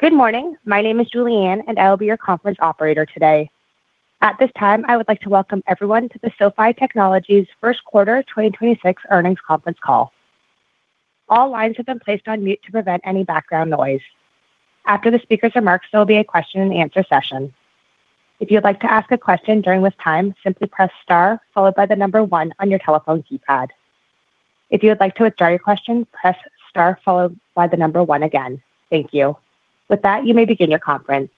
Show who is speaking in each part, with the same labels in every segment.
Speaker 1: Good morning. My name is Julianne, and I will be your conference operator today. At this time, I would like to welcome everyone to the SoFi Technologies first quarter 2026 earnings conference call. All lines have been placed on mute to prevent any background noise. After the speaker's remarks, there will be a question-and-answer session. If you'd like to ask a question during this time, simply press star followed by the one on your telephone keypad. If you would like to withdraw your question, press star followed by the one again. Thank you. With that, you may begin your conference.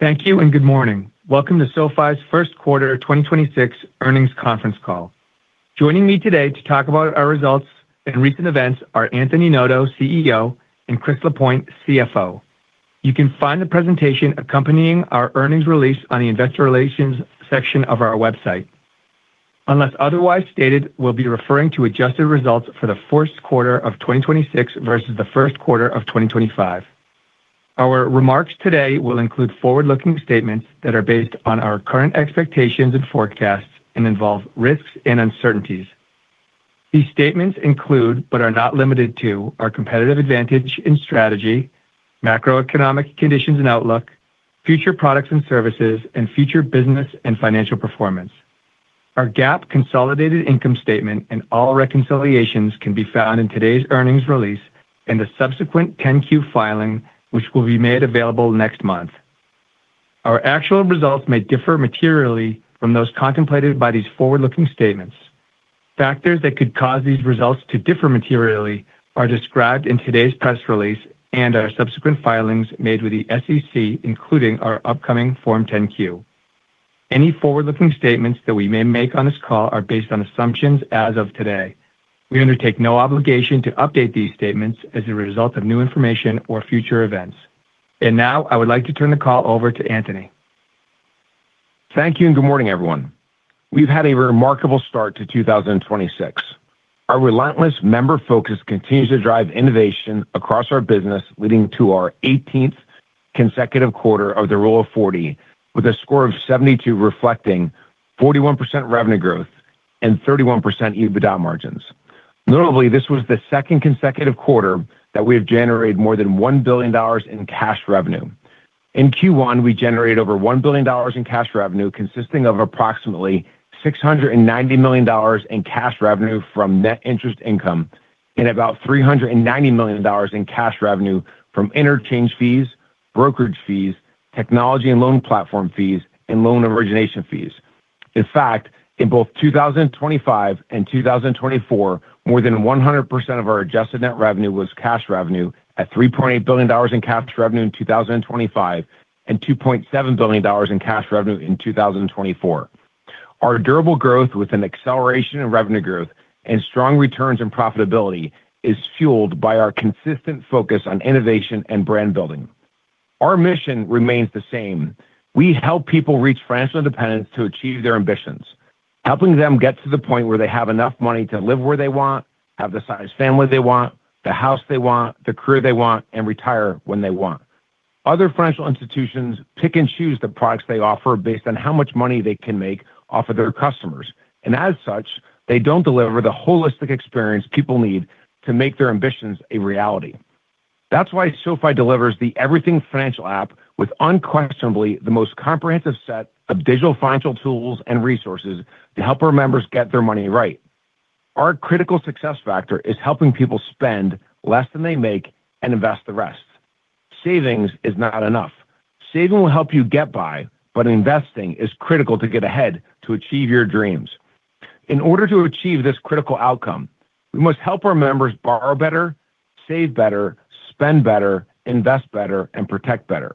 Speaker 2: Thank you and good morning. Welcome to SoFi's first quarter 2026 earnings conference call. Joining me today to talk about our results and recent events are Anthony Noto, CEO, and Chris Lapointe, CFO. You can find the presentation accompanying our earnings release on the Investor Relations section of our website. Unless otherwise stated, we'll be referring to adjusted results for the first quarter of 2026 versus the first quarter of 2025. Our remarks today will include forward-looking statements that are based on our current expectations and forecasts and involve risks and uncertainties. These statements include, but are not limited to our competitive advantage in strategy, macroeconomic conditions and outlook, future products and services, and future business and financial performance. Our GAAP consolidated income statement and all reconciliations can be found in today's earnings release and the subsequent 10-Q filing, which will be made available next month. Our actual results may differ materially from those contemplated by these forward-looking statements. Factors that could cause these results to differ materially are described in today's press release and our subsequent filings made with the SEC, including our upcoming Form 10-Q. Any forward-looking statements that we may make on this call are based on assumptions as of today. We undertake no obligation to update these statements as a result of new information or future events. Now I would like to turn the call over to Anthony.
Speaker 3: Thank you and good morning, everyone. We've had a remarkable start to 2026. Our relentless member focus continues to drive innovation across our business, leading to our 18th consecutive quarter of the Rule of 40, with a score of 72 reflecting 41% revenue growth and 31% EBITDA margins. Notably, this was the second consecutive quarter that we have generated more than $1 billion in cash revenue. In Q1, we generated over $1 billion in cash revenue, consisting of approximately $690 million in cash revenue from net interest income and about $390 million in cash revenue from interchange fees, brokerage fees, technology and loan platform fees, and loan origination fees. In fact, in both 2025 and 2024, more than 100% of our adjusted net revenue was cash revenue at $3.8 billion in cash revenue in 2025 and $2.7 billion in cash revenue in 2024. Our durable growth with an acceleration in revenue growth and strong returns in profitability is fueled by our consistent focus on innovation and brand building. Our mission remains the same: We help people reach financial independence to achieve their ambitions, helping them get to the point where they have enough money to live where they want, have the size family they want, the house they want, the career they want, and retire when they want. Other financial institutions pick and choose the products they offer based on how much money they can make off of their customers, and as such, they don't deliver the holistic experience people need to make their ambitions a reality. That's why SoFi delivers the Everything Financial app with unquestionably the most comprehensive set of digital financial tools and resources to help our members get their money right. Our critical success factor is helping people spend less than they make and invest the rest. Savings is not enough. Saving will help you get by, but investing is critical to get ahead to achieve your dreams. In order to achieve this critical outcome, we must help our members borrow better, save better, spend better, invest better, and protect better.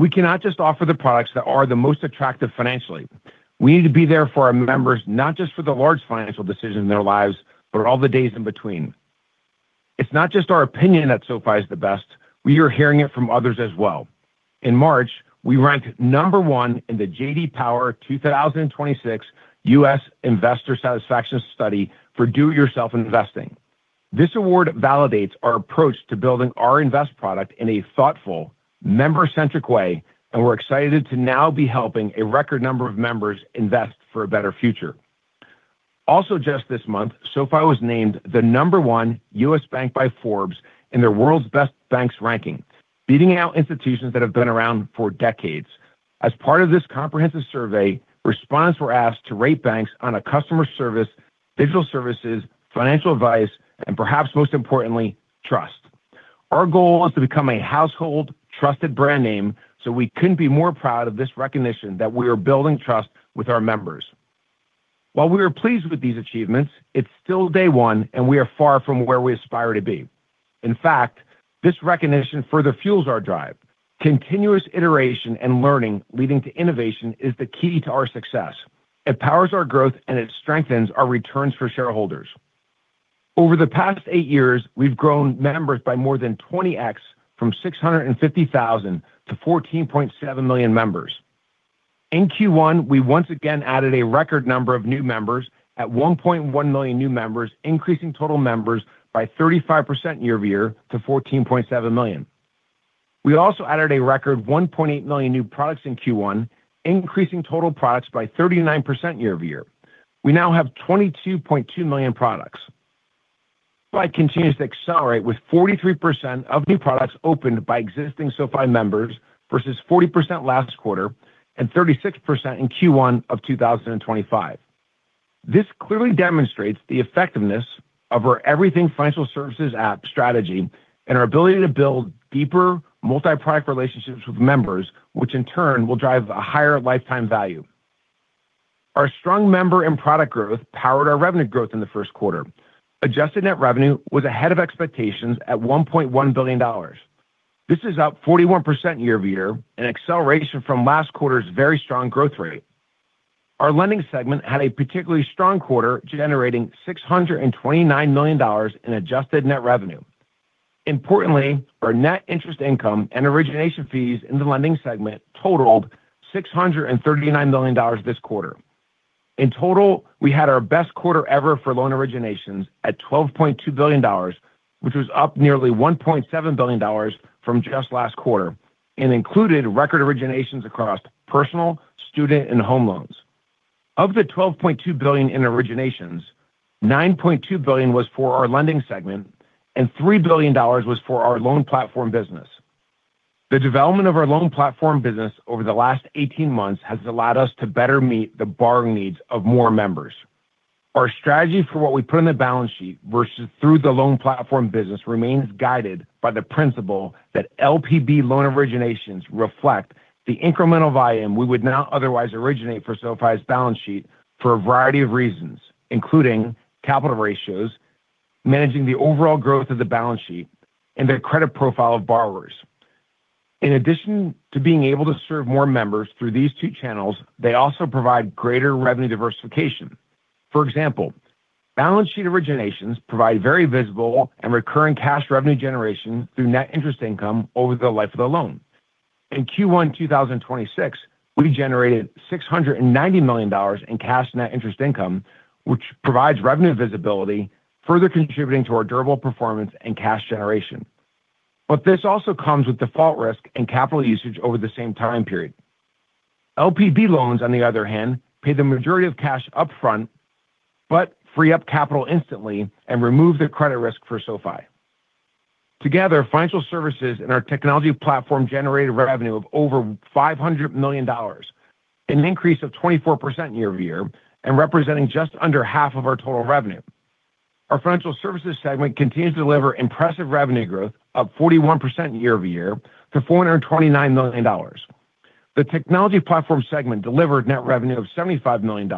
Speaker 3: We cannot just offer the products that are the most attractive financially. We need to be there for our members, not just for the large financial decisions in their lives, but all the days in between. It's not just our opinion that SoFi is the best. We are hearing it from others as well. In March, we ranked number one in the JD Power 2026 U.S. Investor Satisfaction Study for Do-it-Yourself Investing. This award validates our approach to building our invest product in a thoughtful, member-centric way, and we're excited to now be helping a record number of members invest for a better future. Just this month, SoFi was named the number one U.S. Bank by Forbes in their World's Best Banks ranking, beating out institutions that have been around for decades. As part of this comprehensive survey, respondents were asked to rate banks on a customer service, digital services, financial advice, and perhaps most importantly, trust. Our goal is to become a household trusted brand name. We couldn't be more proud of this recognition that we are building trust with our members. While we are pleased with these achievements, it's still day one, and we are far from where we aspire to be. In fact, this recognition further fuels our drive. Continuous iteration and learning leading to innovation is the key to our success. It powers our growth, and it strengthens our returns for shareholders. Over the past eight years, we've grown members by more than 20x from 650,000 to 14.7 million members. In Q1, we once again added a record number of new members at 1.1 million new members, increasing total members by 35% year-over-year to 14.7 million. We also added a record 1.8 million new products in Q1, increasing total products by 39% year-over-year. We now have 22.2 million products. SoFi continues to accelerate with 43% of new products opened by existing SoFi members versus 40% last quarter and 36% in Q1 of 2025. This clearly demonstrates the effectiveness of our Everything Financial Services app strategy and our ability to build deeper multi-product relationships with members, which in turn will drive a higher lifetime value. Our strong member and product growth powered our revenue growth in the first quarter. Adjusted net revenue was ahead of expectations at $1.1 billion. This is up 41% year-over-year, an acceleration from last quarter's very strong growth rate. Our lending segment had a particularly strong quarter, generating $629 million in adjusted net revenue. Importantly, our net interest income and origination fees in the lending segment totaled $639 million this quarter. In total, we had our best quarter ever for loan originations at $12.2 billion, which was up nearly $1.7 billion from just last quarter and included record originations across personal, student, and home loans. Of the $12.2 billion in originations, $9.2 billion was for our lending segment and $3 billion was for our Loan Platform Business. The development of our Loan Platform Business over the last 18 months has allowed us to better meet the borrowing needs of more members. Our strategy for what we put on the balance sheet versus through the Loan Platform Business remains guided by the principle that LPB loan originations reflect the incremental volume we would not otherwise originate for SoFi's balance sheet for a variety of reasons, including capital ratios, managing the overall growth of the balance sheet, and the credit profile of borrowers. In addition to being able to serve more members through these two channels, they also provide greater revenue diversification. For example, balance sheet originations provide very visible and recurring cash revenue generation through net interest income over the life of the loan. In Q1 2026, we generated $690 million in cash net interest income, which provides revenue visibility, further contributing to our durable performance and cash generation. This also comes with default risk and capital usage over the same time period. LPB loans, on the other hand, pay the majority of cash upfront, but free up capital instantly and remove the credit risk for SoFi. Together, financial services and our technology platform generated revenue of over $500 million, an increase of 24% year-over-year and representing just under half of our total revenue. Our financial services segment continues to deliver impressive revenue growth, up 41% year-over-year to $429 million. The technology platform segment delivered net revenue of $75 million,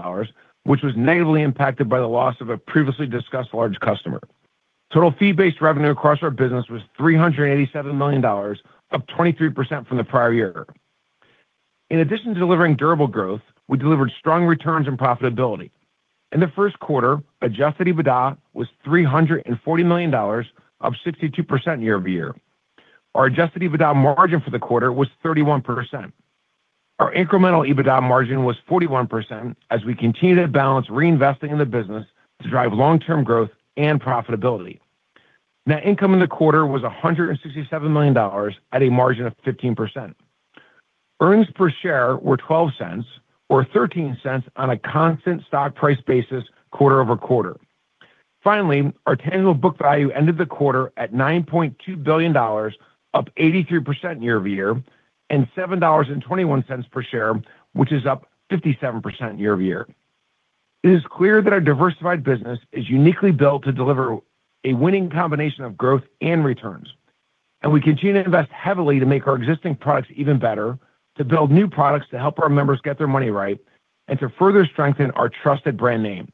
Speaker 3: which was negatively impacted by the loss of a previously discussed large customer. Total fee-based revenue across our business was $387 million, up 23% from the prior year. In addition to delivering durable growth, we delivered strong returns and profitability. In the first quarter, adjusted EBITDA was $340 million, up 62% year-over-year. Our adjusted EBITDA margin for the quarter was 31%. Our incremental EBITDA margin was 41% as we continue to balance reinvesting in the business to drive long-term growth and profitability. Net income in the quarter was $167 million at a margin of 15%. Earnings per share were $0.12 or $0.13 on a constant stock price basis quarter-over-quarter. Finally, our tangible book value ended the quarter at $9.2 billion, up 83% year-over-year and $7.21 per share, which is up 57% year-over-year. It is clear that our diversified business is uniquely built to deliver a winning combination of growth and returns, and we continue to invest heavily to make our existing products even better, to build new products to help our members get their money right, and to further strengthen our trusted brand name.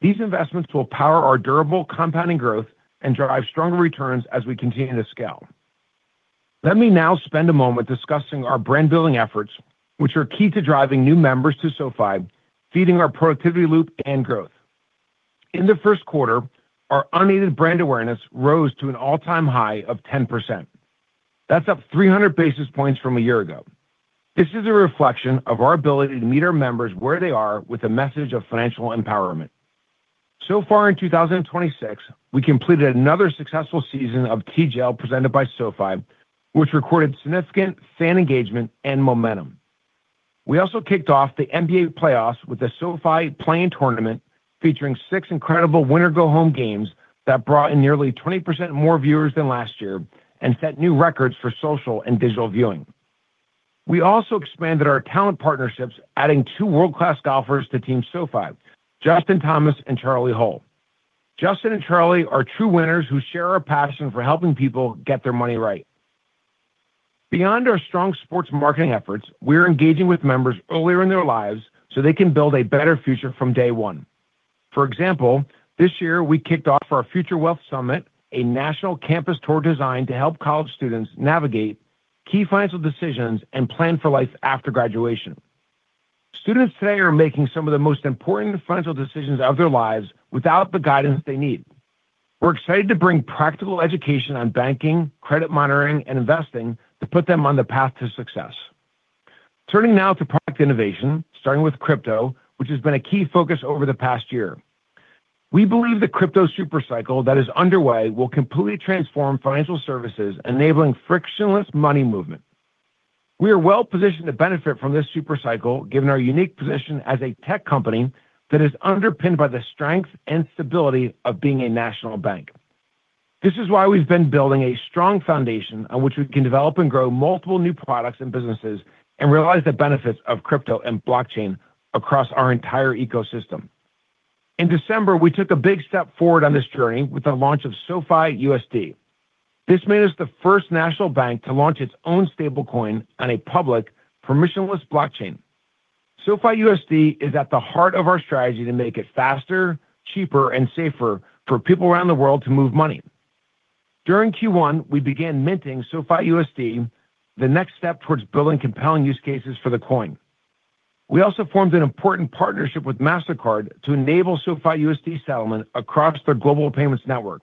Speaker 3: These investments will power our durable compounding growth and drive stronger returns as we continue to scale. Let me now spend a moment discussing our brand-building efforts, which are key to driving new members to SoFi, feeding our productivity loop and growth. In the first quarter, our unaided brand awareness rose to an all-time high of 10%. That's up 300 basis points from a year ago. This is a reflection of our ability to meet our members where they are with a message of financial empowerment. So far in 2026, we completed another successful season of TGL presented by SoFi, which recorded significant fan engagement and momentum. We also kicked off the NBA playoffs with the SoFi Play-In Tournament, featuring six incredible win or go home games that brought in nearly 20% more viewers than last year and set new records for social and digital viewing. We also expanded our talent partnerships, adding two world-class golfers to Team SoFi, Justin Thomas and Charley Hull. Justin and Charley are true winners who share a passion for helping people get their money right. Beyond our strong sports marketing efforts, we're engaging with members earlier in their lives so they can build a better future from day one. For example, this year we kicked off our Future Wealth Summit, a national campus tour designed to help college students navigate key financial decisions and plan for life after graduation. Students today are making some of the most important financial decisions of their lives without the guidance they need. We're excited to bring practical education on banking, credit monitoring, and investing to put them on the path to success. Turning now to product innovation, starting with crypto, which has been a key focus over the past year. We believe the crypto super cycle that is underway will completely transform financial services, enabling frictionless money movement. We are well positioned to benefit from this super cycle, given our unique position as a tech company that is underpinned by the strength and stability of being a national bank. This is why we've been building a strong foundation on which we can develop and grow multiple new products and businesses and realize the benefits of crypto and blockchain across our entire ecosystem. In December, we took a big step forward on this journey with the launch of SoFiUSD. This made us the first national bank to launch its own stablecoin on a public permissionless blockchain. SoFiUSD is at the heart of our strategy to make it faster, cheaper, and safer for people around the world to move money. During Q1, we began minting SoFiUSD, the next step towards building compelling use cases for the coin. We also formed an important partnership with Mastercard to enable SoFiUSD settlement across their global payments network.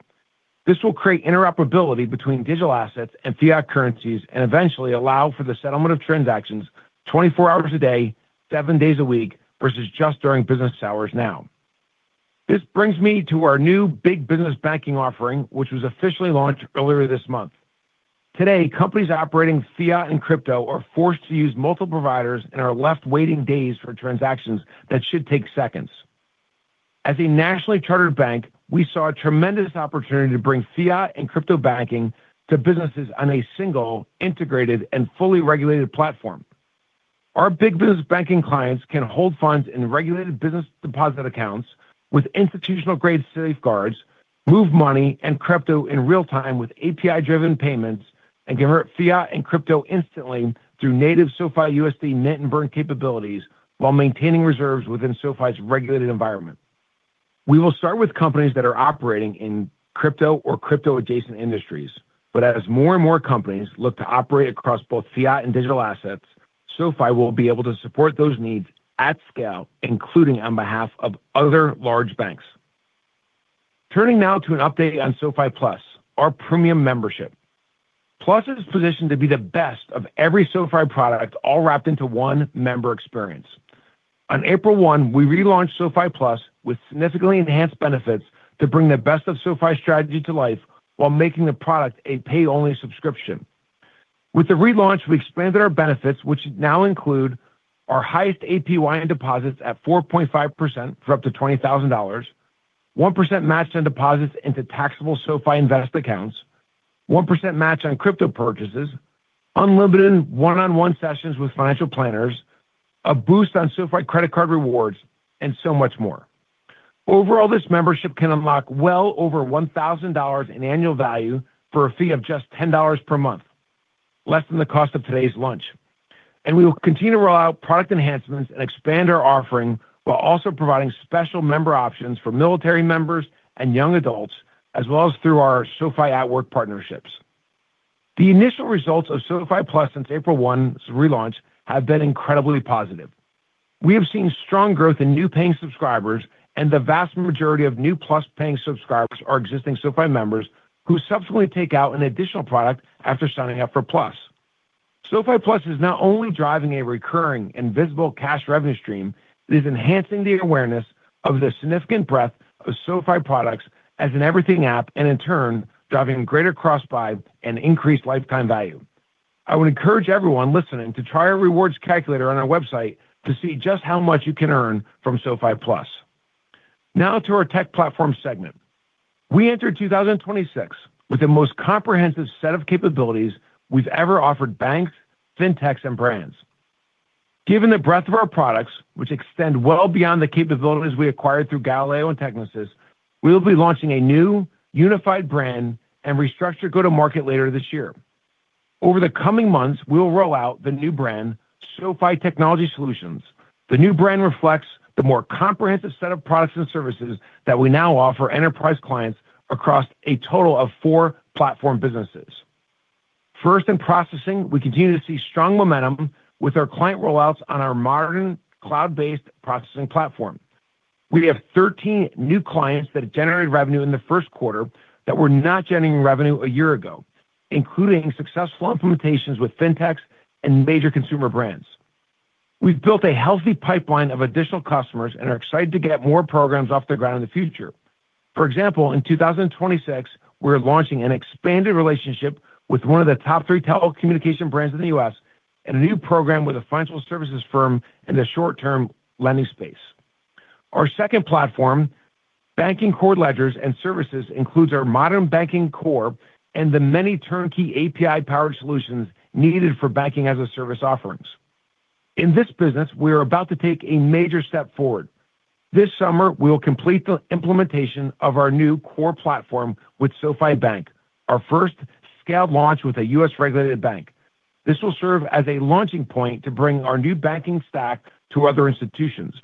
Speaker 3: This will create interoperability between digital assets and fiat currencies, and eventually allow for the settlement of transactions 24 hours a day, seven days a week, versus just during business hours now. This brings me to our new big business banking offering, which was officially launched earlier this month. Today, companies operating fiat and crypto are forced to use multiple providers and are left waiting days for transactions that should take seconds. As a nationally chartered bank, we saw a tremendous opportunity to bring fiat and crypto banking to businesses on a single, integrated, and fully regulated platform. Our big business banking clients can hold funds in regulated business deposit accounts with institutional-grade safeguards, move money and crypto in real-time with API-driven payments, and convert fiat and crypto instantly through native SoFiUSD mint and burn capabilities while maintaining reserves within SoFi's regulated environment. We will start with companies that are operating in crypto or crypto-adjacent industries. As more and more companies look to operate across both fiat and digital assets, SoFi will be able to support those needs at scale, including on behalf of other large banks. Turning now to an update on SoFi Plus, our premium membership. Plus is positioned to be the best of every SoFi product, all wrapped into one member experience. On April 1, we relaunched SoFi Plus with significantly enhanced benefits to bring the best of SoFi's strategy to life while making the product a pay-only subscription. With the relaunch, we expanded our benefits, which now include our highest APY on deposits at 4.5% for up to $20,000, 1% matched on deposits into taxable SoFi Invest accounts, 1% match on crypto purchases, unlimited one-on-one sessions with financial planners, a boost on SoFi Credit Card rewards, and so much more. Overall, this membership can unlock well over $1,000 in annual value for a fee of just $10 per month, less than the cost of today's lunch. We will continue to roll out product enhancements and expand our offering while also providing special member options for military members and young adults, as well as through our SoFi at Work partnerships. The initial results of SoFi Plus since April 1's relaunch have been incredibly positive. We have seen strong growth in new paying subscribers, and the vast majority of new Plus paying subscribers are existing SoFi members who subsequently take out an additional product after signing up for Plus. SoFi Plus is not only driving a recurring and visible cash revenue stream, it is enhancing the awareness of the significant breadth of SoFi products as an Everything app, and in turn, driving greater cross-buy and increased lifetime value. I would encourage everyone listening to try our rewards calculator on our website to see just how much you can earn from SoFi Plus. To our tech platform segment. We entered 2026 with the most comprehensive set of capabilities we've ever offered banks, fintechs, and brands. Given the breadth of our products, which extend well beyond the capabilities we acquired through Galileo and Technisys, we will be launching a new unified brand and restructure go-to-market later this year. Over the coming months, we will roll out the new brand, SoFi Technology Solutions. The new brand reflects the more comprehensive set of products and services that we now offer enterprise clients across a total of four platform businesses. First, in processing, we continue to see strong momentum with our client rollouts on our modern cloud-based processing platform. We have 13 new clients that have generated revenue in the first quarter that were not generating revenue a year ago, including successful implementations with fintechs and major consumer brands. We've built a healthy pipeline of additional customers and are excited to get more programs off the ground in the future. For example, in 2026, we're launching an expanded relationship with one of the top three telecommunication brands in the U.S. and a new program with a financial services firm in the short-term lending space. Our second platform, banking core ledgers and services, includes our modern banking core and the many turnkey API-powered solutions needed for banking-as-a-service offerings. In this business, we are about to take a major step forward. This summer, we will complete the implementation of our new core platform with SoFi Bank, our first scaled launch with a U.S.-regulated bank. This will serve as a launching point to bring our new banking stack to other institutions.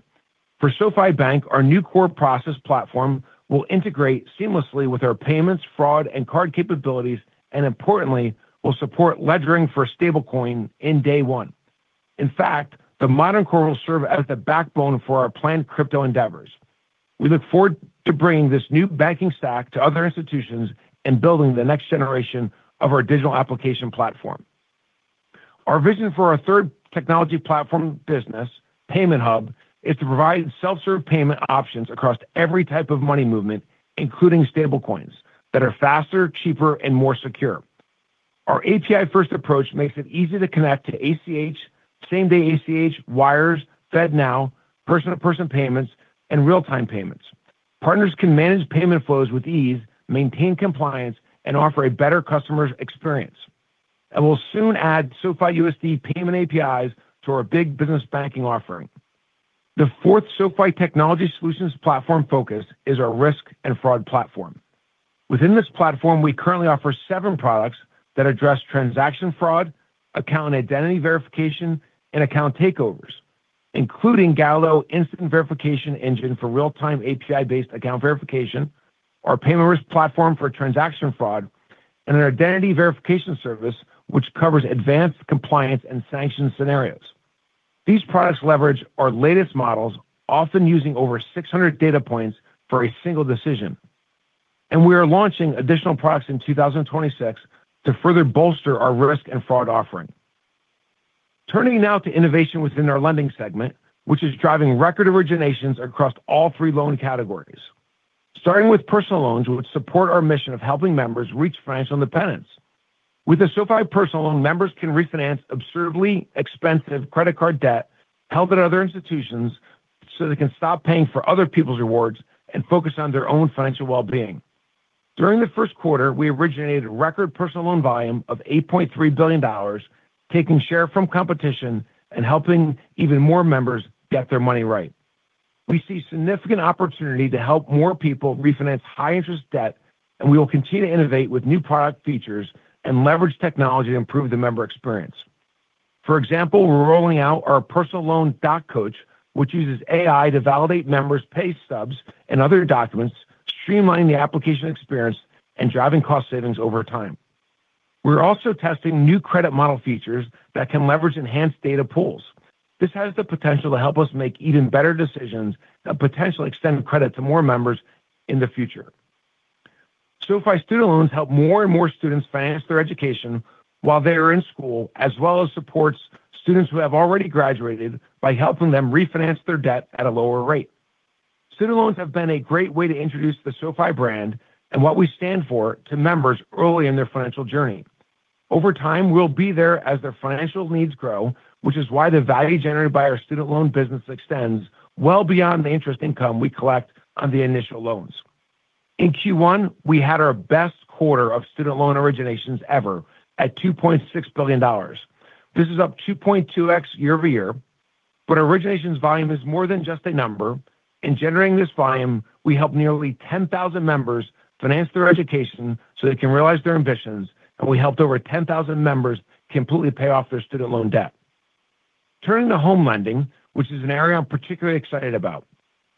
Speaker 3: For SoFi Bank, our new core process platform will integrate seamlessly with our payments, fraud, and card capabilities, and importantly, will support ledgering for stablecoin in day one. In fact, the modern core will serve as the backbone for our planned crypto endeavors. We look forward to bringing this new banking stack to other institutions and building the next generation of our digital application platform. Our vision for our third technology platform business, Payment Hub, is to provide self-serve payment options across every type of money movement, including stablecoins that are faster, cheaper, and more secure. Our API-first approach makes it easy to connect to ACH, same-day ACH, wires, FedNow, person-to-person payments, and real-time payments. Partners can manage payment flows with ease, maintain compliance, and offer a better customer's experience. We'll soon add SoFiUSD payment APIs to our big business banking offering. The fourth SoFi Technology Solutions platform focus is our risk and fraud platform. Within this platform, we currently offer seven products that address transaction fraud, account identity verification, and account takeovers, including Galileo Instant Verification Engine for real-time API-based account verification, our payment risk platform for transaction fraud, and an identity verification service which covers advanced compliance and sanctions scenarios. These products leverage our latest models, often using over 600 data points for a single decision. We are launching additional products in 2026 to further bolster our risk and fraud offering. Turning now to innovation within our lending segment, which is driving record originations across all three loan categories. Starting with personal loans, which support our mission of helping members reach financial independence. With a SoFi personal loan, members can refinance absurdly expensive credit card debt held at other institutions, so they can stop paying for other people's rewards and focus on their own financial well-being. During the first quarter, we originated a record personal loan volume of $8.3 billion, taking share from competition and helping even more members get their money right. We see significant opportunity to help more people refinance high-interest debt. We will continue to innovate with new product features and leverage technology to improve the member experience. For example, we're rolling out our Personal Loan Doc Coach, which uses AI to validate members' pay stubs and other documents, streamlining the application experience and driving cost savings over time. We're also testing new credit model features that can leverage enhanced data pools. This has the potential to help us make even better decisions that potentially extend credit to more members in the future. SoFi student loans help more and more students finance their education while they are in school, as well as supports students who have already graduated by helping them refinance their debt at a lower rate. Student loans have been a great way to introduce the SoFi brand and what we stand for to members early in their financial journey. Over time, we'll be there as their financial needs grow, which is why the value generated by our student loan business extends well beyond the interest income we collect on the initial loans. In Q1, we had our best quarter of student loan originations ever at $2.6 billion. This is up 2.2x year-over-year. Originations volume is more than just a number. In generating this volume, we helped nearly 10,000 members finance their education so they can realize their ambitions, and we helped over 10,000 members completely pay off their student loan debt. Turning to home lending, which is an area I'm particularly excited about.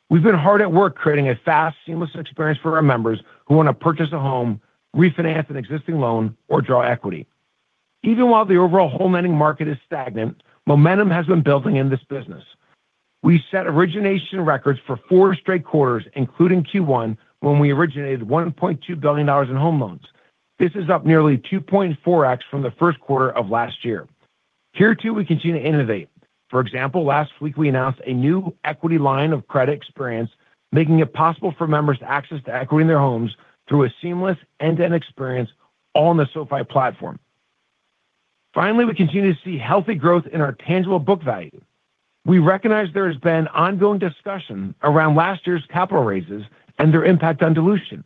Speaker 3: We've been hard at work creating a fast, seamless experience for our members who want to purchase a home, refinance an existing loan, or draw equity. Even while the overall home lending market is stagnant, momentum has been building in this business. We set origination records for four straight quarters, including Q1, when we originated $1.2 billion in home loans. This is up nearly 2.4x from the first quarter of last year. Here too, we continue to innovate. For example, last week we announced a new equity line of credit experience, making it possible for members to access the equity in their homes through a seamless end-to-end experience on the SoFi platform. Finally, we continue to see healthy growth in our tangible book value. We recognize there has been ongoing discussion around last year's capital raises and their impact on dilution.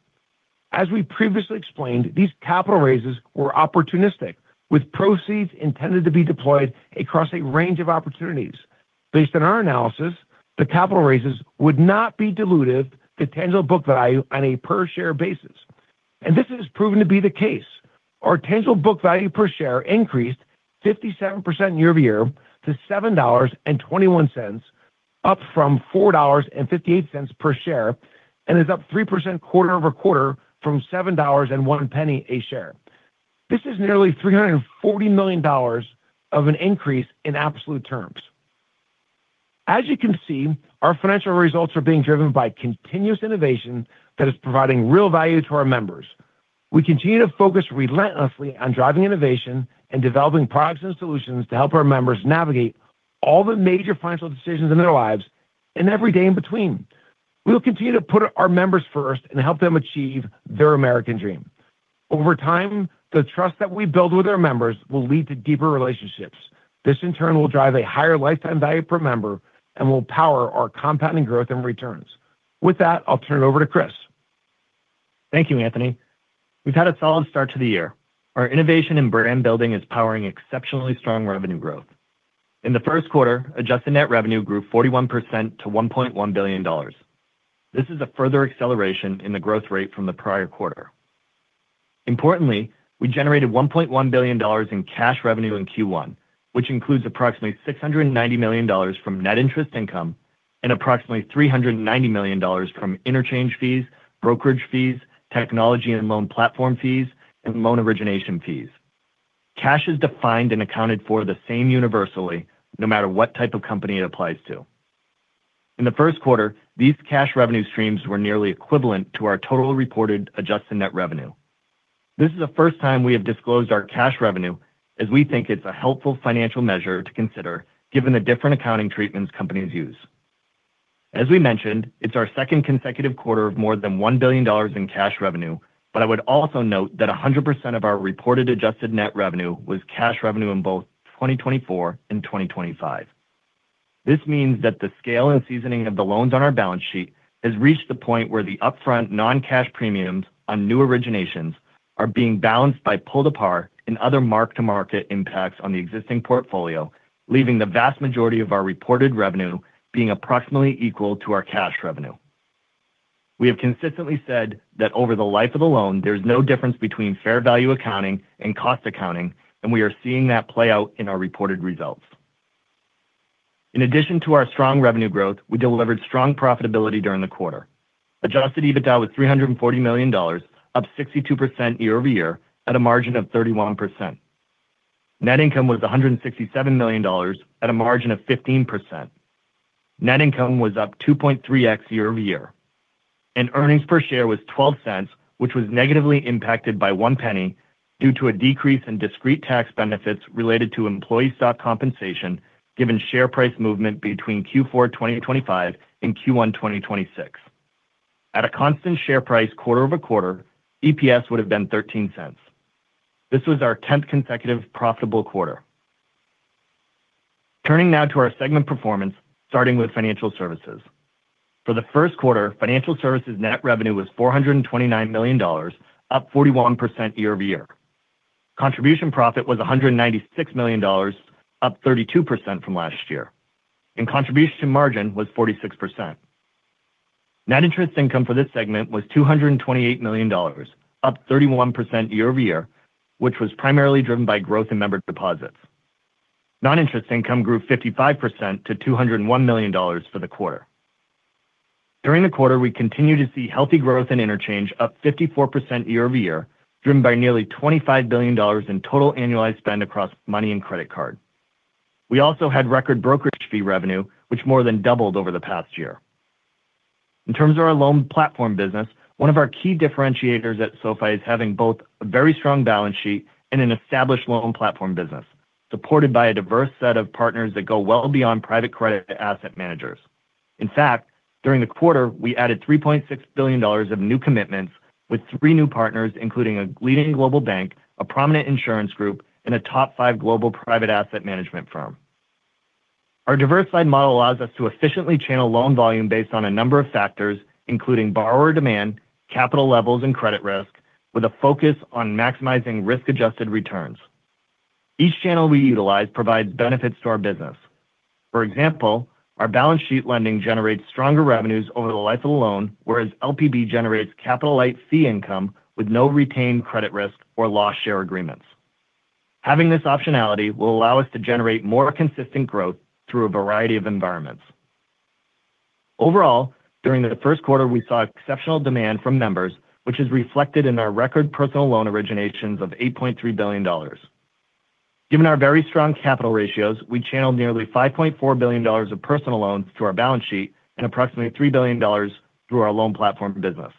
Speaker 3: As we previously explained, these capital raises were opportunistic, with proceeds intended to be deployed across a range of opportunities. Based on our analysis, the capital raises would not be dilutive to tangible book value on a per-share basis. This has proven to be the case. Our tangible book value per share increased 57% year-over-year to $7.21, up from $4.58 per share, and is up 3% quarter-over-quarter from $7.01 a share. This is nearly $340 million of an increase in absolute terms. As you can see, our financial results are being driven by continuous innovation that is providing real value to our members. We continue to focus relentlessly on driving innovation and developing products and solutions to help our members navigate all the major financial decisions in their lives and every day in between. We will continue to put our members first and help them achieve their American dream. Over time, the trust that we build with our members will lead to deeper relationships. This, in turn, will drive a higher lifetime value per member and will power our compounding growth and returns. With that, I'll turn it over to Chris.
Speaker 4: Thank you, Anthony. We've had a solid start to the year. Our innovation in brand building is powering exceptionally strong revenue growth. In the first quarter, adjusted net revenue grew 41% to $1.1 billion. This is a further acceleration in the growth rate from the prior quarter. Importantly, we generated $1.1 billion in cash revenue in Q1, which includes approximately $690 million from net interest income and approximately $390 million from interchange fees, brokerage fees, technology and loan platform fees, and loan origination fees. Cash is defined and accounted for the same universally, no matter what type of company it applies to. In the first quarter, these cash revenue streams were nearly equivalent to our total reported adjusted net revenue. This is the first time we have disclosed our cash revenue, as we think it's a helpful financial measure to consider given the different accounting treatments companies use. As we mentioned, it's our second consecutive quarter of more than $1 billion in cash revenue. I would also note that 100% of our reported adjusted net revenue was cash revenue in both 2024 and 2025. This means that the scale and seasoning of the loans on our balance sheet has reached the point where the upfront non-cash premiums on new originations are being balanced by pull to par and other mark-to-market impacts on the existing portfolio, leaving the vast majority of our reported revenue being approximately equal to our cash revenue. We have consistently said that over the life of the loan, there's no difference between fair value accounting and cost accounting, and we are seeing that play out in our reported results. In addition to our strong revenue growth, we delivered strong profitability during the quarter. Adjusted EBITDA was $340 million, up 62% year-over-year at a margin of 31%. Net income was $167 million at a margin of 15%. Net income was up 2.3x year-over-year, and earnings per share was $0.12, which was negatively impacted by $0.01 due to a decrease in discrete tax benefits related to employee stock compensation, given share price movement between Q4 2025 and Q1 2026. At a constant share price quarter-over-quarter, EPS would have been $0.13. This was our 10th consecutive profitable quarter. Turning now to our segment performance, starting with financial services. For the first quarter, financial services net revenue was $429 million, up 41% year-over-year. Contribution profit was $196 million, up 32% from last year, and contribution margin was 46%. Net interest income for this segment was $228 million, up 31% year-over-year, which was primarily driven by growth in member deposits. Non-interest income grew 55% to $201 million for the quarter. During the quarter, we continued to see healthy growth in interchange, up 54% year-over-year, driven by nearly $25 billion in total annualized spend across Money and Credit Card. We also had record brokerage fee revenue, which more than doubled over the past year. In terms of our Loan Platform Business, one of our key differentiators at SoFi is having both a very strong balance sheet and an established Loan Platform Business, supported by a diverse set of partners that go well beyond private credit asset managers. In fact, during the quarter, we added $3.6 billion of new commitments with three new partners, including a leading global bank, a prominent insurance group, and a top five global private asset management firm. Our diversified model allows us to efficiently channel loan volume based on a number of factors, including borrower demand, capital levels, and credit risk, with a focus on maximizing risk-adjusted returns. Each channel we utilize provides benefits to our business. For example, our balance sheet lending generates stronger revenues over the life of the loan, whereas LPB generates capital-light fee income with no retained credit risk or loss share agreements. Having this optionality will allow us to generate more consistent growth through a variety of environments. Overall, during the first quarter, we saw exceptional demand from members, which is reflected in our record personal loan originations of $8.3 billion. Given our very strong capital ratios, we channeled nearly $5.4 billion of personal loans to our balance sheet and approximately $3 billion through our Loan Platform Business.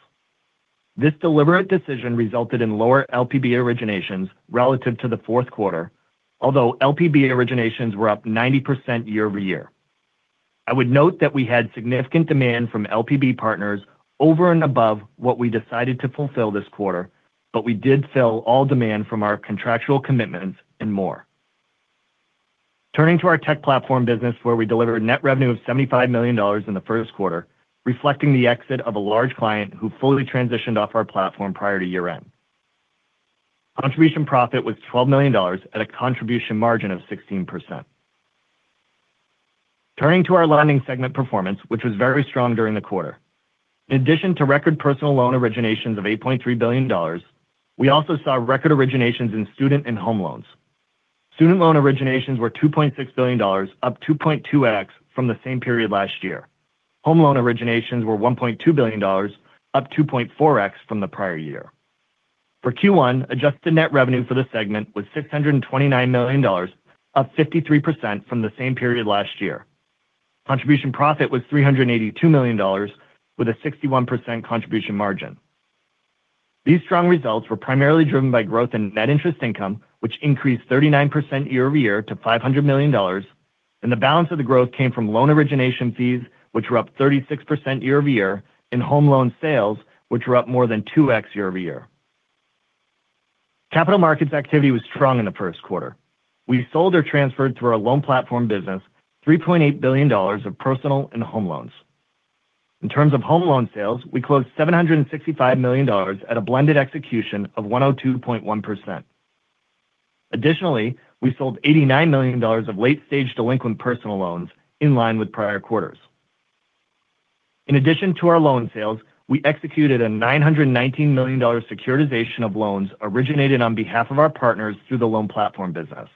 Speaker 4: This deliberate decision resulted in lower LPB originations relative to the fourth quarter, although LPB originations were up 90% year-over-year. I would note that we had significant demand from LPB partners over and above what we decided to fulfill this quarter, but we did fill all demand from our contractual commitments and more. Turning to our Tech Platform Business, where we delivered net revenue of $75 million in the first quarter, reflecting the exit of a large client who fully transitioned off our platform prior to year-end. Contribution profit was $12 million at a contribution margin of 16%. Turning to our lending segment performance, which was very strong during the quarter. In addition to record personal loan originations of $8.3 billion, we also saw record originations in student and home loans. Student loan originations were $2.6 billion, up 2.2x from the same period last year. Home loan originations were $1.2 billion, up 2.4x from the prior year. For Q1, adjusted net revenue for the segment was $629 million, up 53% from the same period last year. Contribution profit was $382 million with a 61% contribution margin. These strong results were primarily driven by growth in net interest income, which increased 39% year-over-year to $500 million, and the balance of the growth came from loan origination fees, which were up 36% year-over-year, and home loan sales, which were up more than 2x year-over-year. Capital markets activity was strong in the first quarter. We sold or transferred through our Loan Platform Business $3.8 billion of personal and home loans. In terms of home loan sales, we closed $765 million at a blended execution of 102.1%. Additionally, we sold $89 million of late-stage delinquent personal loans in line with prior quarters. In addition to our loan sales, we executed a $919 million securitization of loans originated on behalf of our partners through the Loan Platform Business.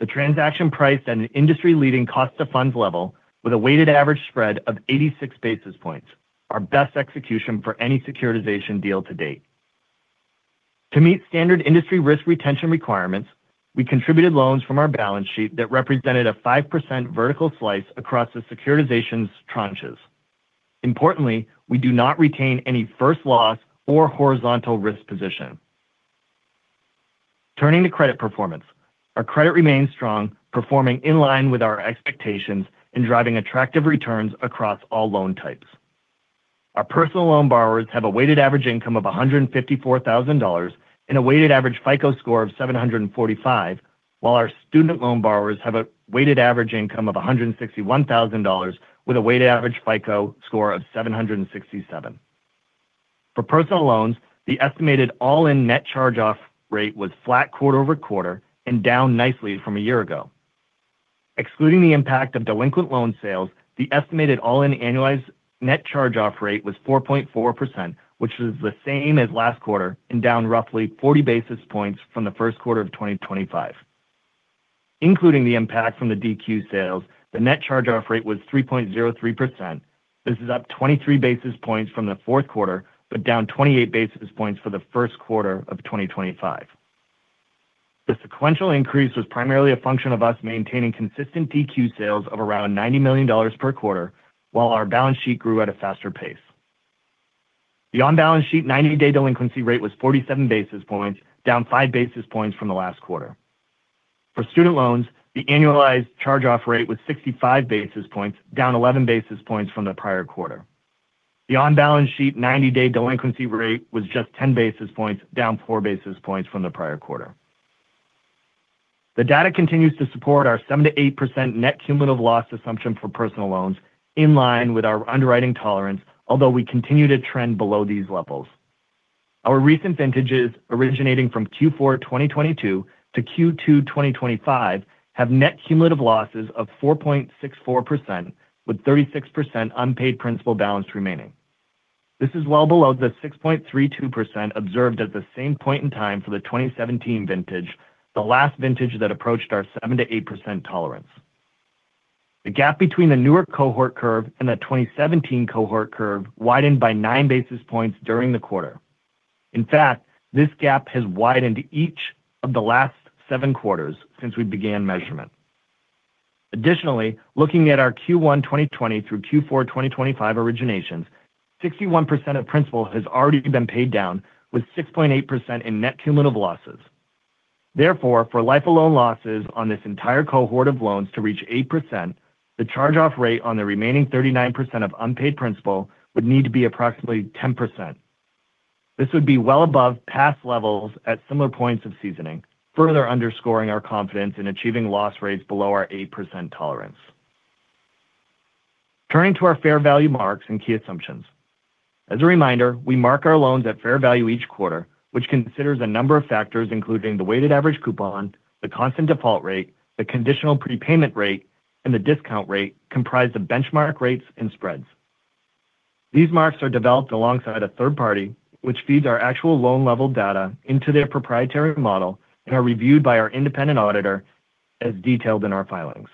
Speaker 4: The transaction priced at an industry-leading cost to funds level with a weighted average spread of 86 basis points, our best execution for any securitization deal to date. To meet standard industry risk retention requirements, we contributed loans from our balance sheet that represented a 5% vertical slice across the securitizations tranches. Importantly, we do not retain any first loss or horizontal risk position. Turning to credit performance. Our credit remains strong, performing in line with our expectations and driving attractive returns across all loan types. Our personal loan borrowers have a weighted average income of $154,000 and a weighted average FICO score of 745, while our student loan borrowers have a weighted average income of $161,000 with a weighted average FICO score of 767. For personal loans, the estimated all-in net charge-off rate was flat quarter-over-quarter and down nicely from a year ago. Excluding the impact of delinquent loan sales, the estimated all-in annualized net charge-off rate was 4.4%, which is the same as last quarter and down roughly 40 basis points from the first quarter of 2025. Including the impact from the DQ sales, the net charge-off rate was 3.03%. This is up 23 basis points from the fourth quarter, but down 28 basis points for the first quarter of 2025. The sequential increase was primarily a function of us maintaining consistent DQ sales of around $90 million per quarter while our balance sheet grew at a faster pace. The on-balance sheet 90-day delinquency rate was 47 basis points, down 5 basis points from the last quarter. For student loans, the annualized charge-off rate was 65 basis points, down 11 basis points from the prior quarter. The on-balance sheet 90-day delinquency rate was just 10 basis points, down 4 basis points from the prior quarter. The data continues to support our 7%-8% net cumulative loss assumption for personal loans, in line with our underwriting tolerance, although we continue to trend below these levels. Our recent vintages originating from Q4 2022 to Q2 2025 have net cumulative losses of 4.64% with 36% unpaid principal balance remaining. This is well below the 6.32% observed at the same point in time for the 2017 vintage, the last vintage that approached our 7%-8% tolerance. The gap between the newer cohort curve and the 2017 cohort curve widened by 9 basis points during the quarter. In fact, this gap has widened each of the last seven quarters since we began measurement. Additionally, looking at our Q1 2020 through Q4 2025 originations, 61% of principal has already been paid down with 6.8% in net cumulative losses. Therefore, for life alone losses on this entire cohort of loans to reach 8%, the charge-off rate on the remaining 39% of unpaid principal would need to be approximately 10%. This would be well above past levels at similar points of seasoning, further underscoring our confidence in achieving loss rates below our 8% tolerance. Turning to our fair value marks and key assumptions. As a reminder, we mark our loans at fair value each quarter, which considers a number of factors, including the weighted average coupon, the constant default rate, the conditional prepayment rate, and the discount rate comprised of benchmark rates and spreads. These marks are developed alongside a third party which feeds our actual loan level data into their proprietary model and are reviewed by our independent auditor as detailed in our filings.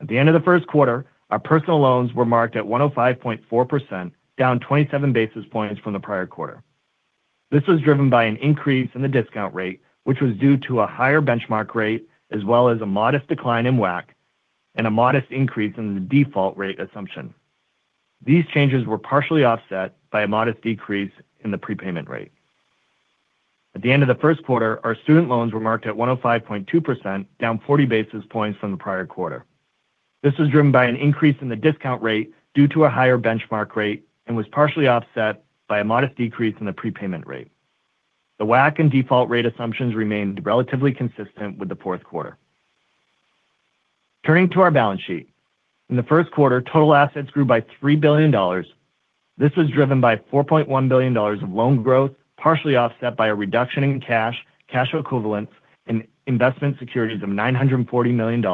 Speaker 4: At the end of the first quarter, our personal loans were marked at 105.4%, down 27 basis points from the prior quarter. This was driven by an increase in the discount rate, which was due to a higher benchmark rate as well as a modest decline in WAC and a modest increase in the default rate assumption. These changes were partially offset by a modest decrease in the prepayment rate. At the end of the first quarter, our student loans were marked at 105.2%, down 40 basis points from the prior quarter. This was driven by an increase in the discount rate due to a higher benchmark rate and was partially offset by a modest decrease in the prepayment rate. The WAC and default rate assumptions remained relatively consistent with the fourth quarter. Turning to our balance sheet. In the first quarter, total assets grew by $3 billion. This was driven by $4.1 billion of loan growth, partially offset by a reduction in cash equivalents, and investment securities of $940 million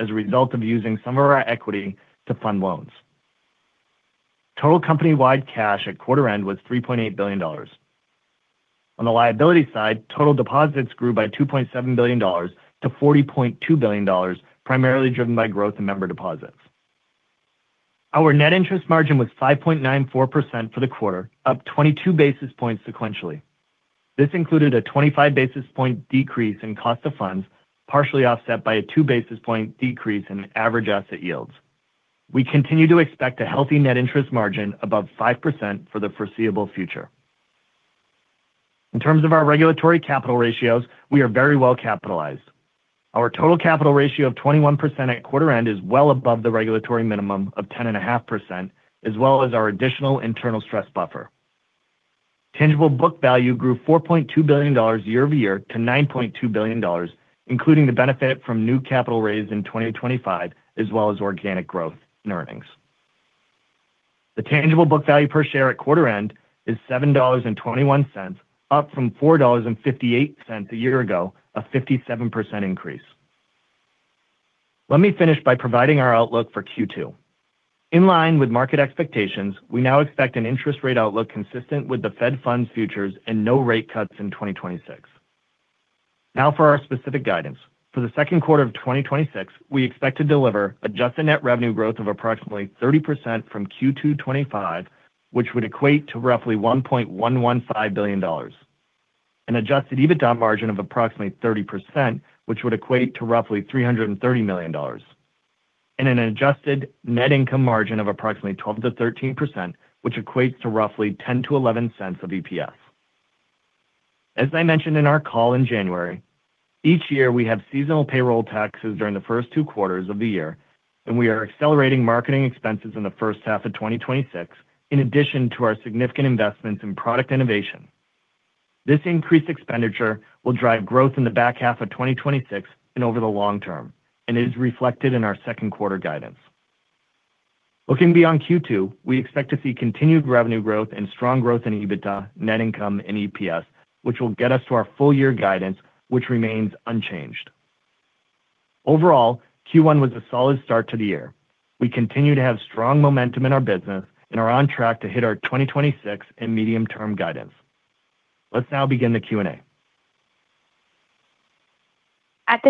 Speaker 4: as a result of using some of our equity to fund loans. Total company-wide cash at quarter end was $3.8 billion. On the liability side, total deposits grew by $2.7 billion to $40.2 billion, primarily driven by growth in member deposits. Our net interest margin was 5.94% for the quarter, up 22 basis points sequentially. This included a 25 basis point decrease in cost of funds, partially offset by a 2 basis point decrease in average asset yields. We continue to expect a healthy net interest margin above 5% for the foreseeable future. In terms of our regulatory capital ratios, we are very well capitalized. Our total capital ratio of 21% at quarter end is well above the regulatory minimum of 10.5%, as well as our additional internal stress buffer. Tangible book value grew $4.2 billion year over year to $9.2 billion, including the benefit from new capital raised in 2025, as well as organic growth in earnings. The tangible book value per share at quarter end is $7.21, up from $4.58 a year ago, a 57% increase. Let me finish by providing our outlook for Q2. In line with market expectations, we now expect an interest rate outlook consistent with the Fed funds futures and no rate cuts in 2026. Now for our specific guidance. For the second quarter of 2026, we expect to deliver adjusted net revenue growth of approximately 30% from Q2 2025, which would equate to roughly $1.115 billion. An adjusted EBITDA margin of approximately 30%, which would equate to roughly $330 million. An adjusted net income margin of approximately 12%-13%, which equates to roughly $0.10-$0.11 of EPS. As I mentioned in our call in January, each year we have seasonal payroll taxes during the first 2 quarters of the year, and we are accelerating marketing expenses in the first half of 2026 in addition to our significant investments in product innovation. This increased expenditure will drive growth in the back half of 2026 and over the long term, and is reflected in our second quarter guidance. Looking beyond Q2, we expect to see continued revenue growth and strong growth in EBITDA, net income and EPS, which will get us to our full year guidance, which remains unchanged. Overall, Q1 was a solid start to the year. We continue to have strong momentum in our business and are on track to hit our 2026 and medium-term guidance. Let's now begin the Q&A.
Speaker 1: Our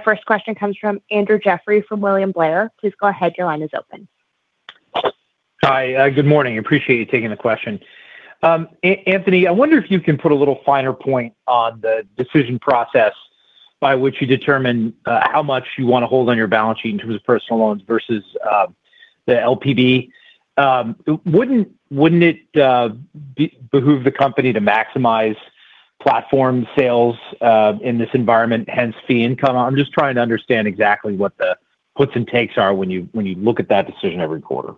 Speaker 1: first question comes from Andrew Jeffrey from William Blair. Please go ahead. Your line is open.
Speaker 5: Hi. Good morning. Appreciate you taking the question. Anthony, I wonder if you can put a little finer point on the decision process by which you determine how much you want to hold on your balance sheet in terms of personal loans versus the LPB. Wouldn't it behoove the company to maximize platform sales in this environment, hence fee income? I'm just trying to understand exactly what the puts and takes are when you look at that decision every quarter.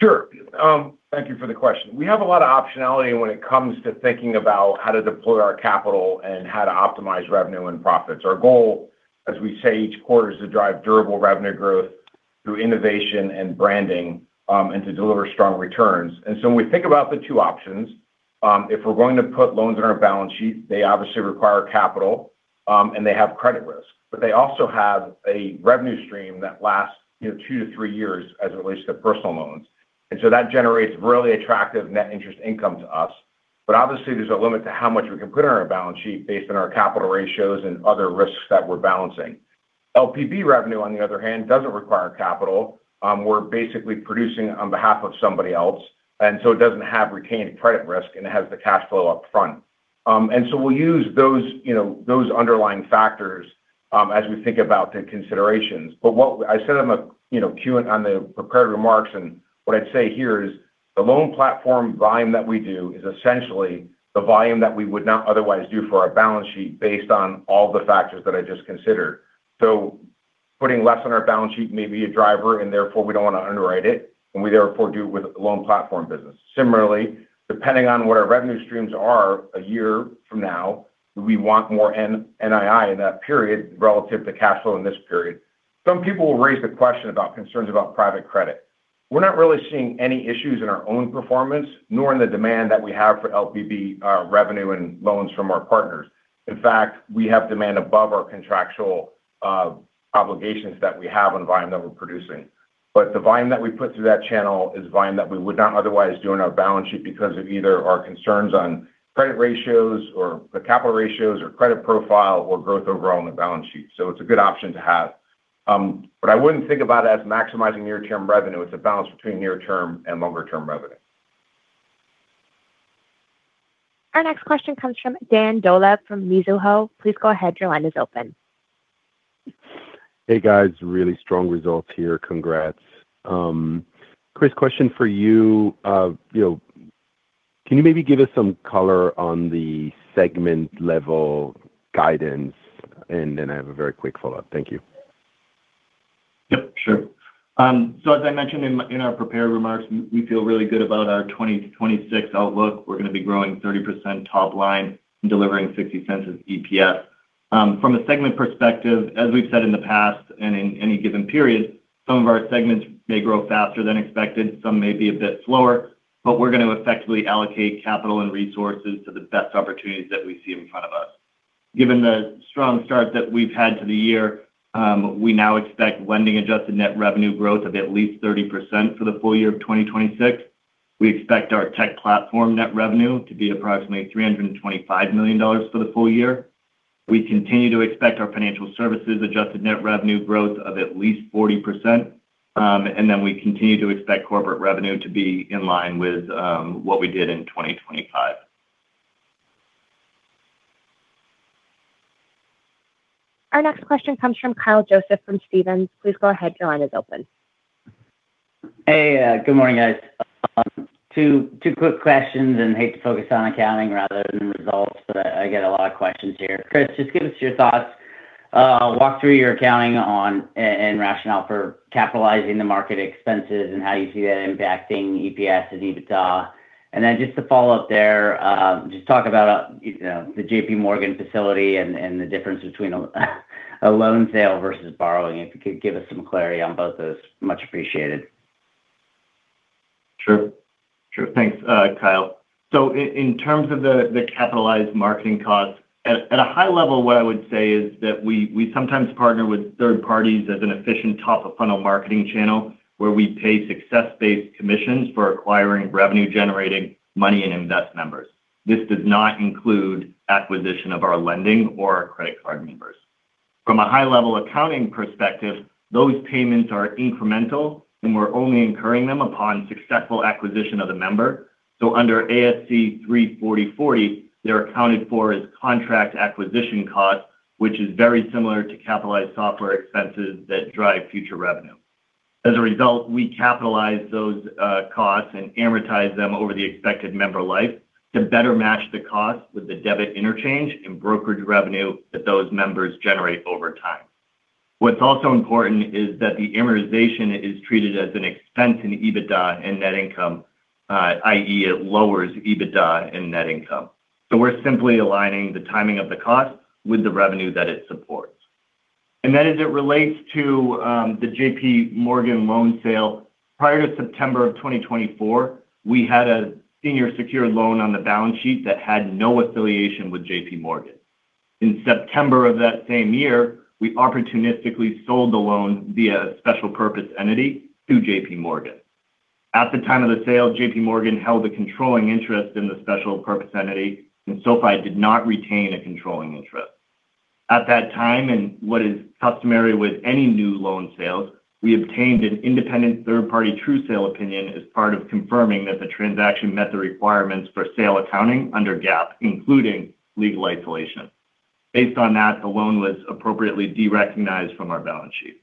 Speaker 3: Sure. Thank you for the question. We have a lot of optionality when it comes to thinking about how to deploy our capital and how to optimize revenue and profits. Our goal, as we say each quarter, is to drive durable revenue growth through innovation and branding, and to deliver strong returns. When we think about the two options, if we're going to put loans on our balance sheet, they obviously require capital, and they have credit risk. They also have a revenue stream that lasts two to three years as it relates to personal loans. That generates really attractive net interest income to us. Obviously, there's a limit to how much we can put on our balance sheet based on our capital ratios and other risks that we're balancing. LPB revenue, on the other hand, doesn't require capital. We're basically producing on behalf of somebody else, and so it doesn't have retaining credit risk, and it has the cash flow up front. We'll use those underlying factors as we think about the considerations. I said on the prepared remarks, and what I'd say here is the loan platform volume that we do is essentially the volume that we would not otherwise do for our balance sheet based on all the factors that I just considered. Putting less on our balance sheet may be a driver, and therefore we don't want to underwrite it, and we therefore do it with a Loan Platform Business. Similarly, depending on what our revenue streams are a year from now, we want more NII in that period relative to cash flow in this period. Some people will raise the question about concerns about private credit. We're not really seeing any issues in our own performance, nor in the demand that we have for LPB revenue and loans from our partners. In fact, we have demand above our contractual obligations that we have on volume that we're producing. The volume that we put through that channel is volume that we would not otherwise do on our balance sheet because of either our concerns on credit ratios or the capital ratios or credit profile or growth overall on the balance sheet. It's a good option to have. I wouldn't think about it as maximizing near-term revenue. It's a balance between near-term and longer-term revenue.
Speaker 1: Our next question comes from Dan Dolev from Mizuho. Please go ahead. Your line is open.
Speaker 6: Hey, guys. Really strong results here. Congrats. Chris, question for you. You know, can you maybe give us some color on the segment-level guidance? Then I have a very quick follow-up. Thank you.
Speaker 4: Yep, sure. As I mentioned in our prepared remarks, we feel really good about our 2026 outlook. We're going to be growing 30% top line and delivering $0.60 of EPS. From a segment perspective, as we've said in the past and in any given period, some of our segments may grow faster than expected, some may be a bit slower, but we're going to effectively allocate capital and resources to the best opportunities that we see in front of us. Given the strong start that we've had to the year, we now expect lending adjusted net revenue growth of at least 30% for the full year of 2026. We expect our tech platform net revenue to be approximately $325 million for the full year. We continue to expect our financial services adjusted net revenue growth of at least 40%, and then we continue to expect corporate revenue to be in line with what we did in 2025.
Speaker 1: Our next question comes from Kyle Joseph from Stephens. Please go ahead. Your line is open.
Speaker 7: Hey. Good morning, guys. two quick questions and hate to focus on accounting rather than results, but I get a lot of questions here. Chris, just give us your thoughts. walk through your accounting on and rationale for capitalizing the market expenses and how you see that impacting EPS and EBITDA. Then just to follow up there, just talk about, you know, the JPMorgan facility and the difference between a loan sale versus borrowing. If you could give us some clarity on both those, much appreciated.
Speaker 4: Sure. Sure. Thanks, Kyle. In terms of the capitalized marketing costs, at a high level, what I would say is that we sometimes partner with third parties as an efficient top-of-funnel marketing channel where we pay success-based commissions for acquiring revenue-generating Money and Invest members. This does not include acquisition of our lending or our credit card members. From a high-level accounting perspective, those payments are incremental, and we're only incurring them upon successful acquisition of the member. Under ASC 340-40, they're accounted for as contract acquisition costs, which is very similar to capitalized software expenses that drive future revenue. As a result, we capitalize those costs and amortize them over the expected member life to better match the cost with the debit interchange and brokerage revenue that those members generate over time. What's also important is that the amortization is treated as an expense in EBITDA and net income, i.e., it lowers EBITDA and net income. We're simply aligning the timing of the cost with the revenue that it supports. As it relates to the JPMorgan loan sale, prior to September of 2024, we had a senior secured loan on the balance sheet that had no affiliation with JPMorgan. In September of that same year, we opportunistically sold the loan via a special purpose entity to JPMorgan. At the time of the sale, JPMorgan held a controlling interest in the special purpose entity, and SoFi did not retain a controlling interest. At that time, and what is customary with any new loan sales, we obtained an independent third-party true sale opinion as part of confirming that the transaction met the requirements for sale accounting under GAAP, including legal isolation. Based on that, the loan was appropriately derecognized from our balance sheet.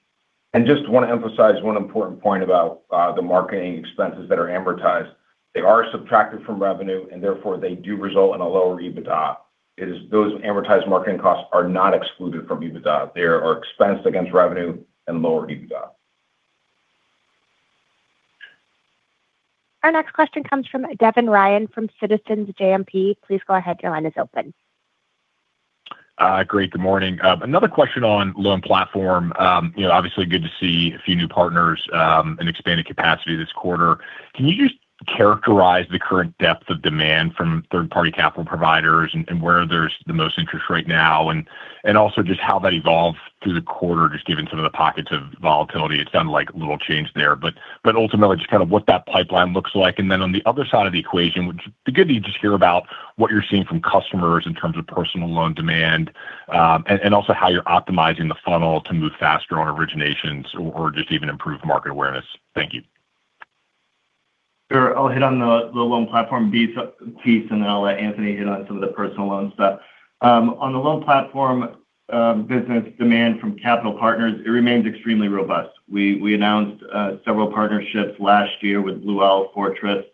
Speaker 3: Just want to emphasize one important point about the marketing expenses that are amortized. They are subtracted from revenue, and therefore, they do result in a lower EBITDA. It is those amortized marketing costs are not excluded from EBITDA. They are expense against revenue and lower EBITDA.
Speaker 1: Our next question comes from Devin Ryan from Citizens JMP. Please go ahead. Your line is open.
Speaker 8: Great. Good morning. Another question on loan platform. You know, obviously good to see a few new partners and expanded capacity this quarter. Can you just characterize the current depth of demand from third-party capital providers and where there's the most interest right now? Also just how that evolved through the quarter, just given some of the pockets of volatility. It's sounded like little change there, but ultimately just kind of what that pipeline looks like. On the other side of the equation, it'd be good to just hear about what you're seeing from customers in terms of personal loan demand and also how you're optimizing the funnel to move faster on originations or just even improve market awareness. Thank you.
Speaker 4: Sure. I'll hit on the loan platform piece, and then I'll let Anthony hit on some of the personal loan stuff. On the loan platform, business demand from capital partners, it remains extremely robust. We announced several partnerships last year with Blue Owl, Fortress,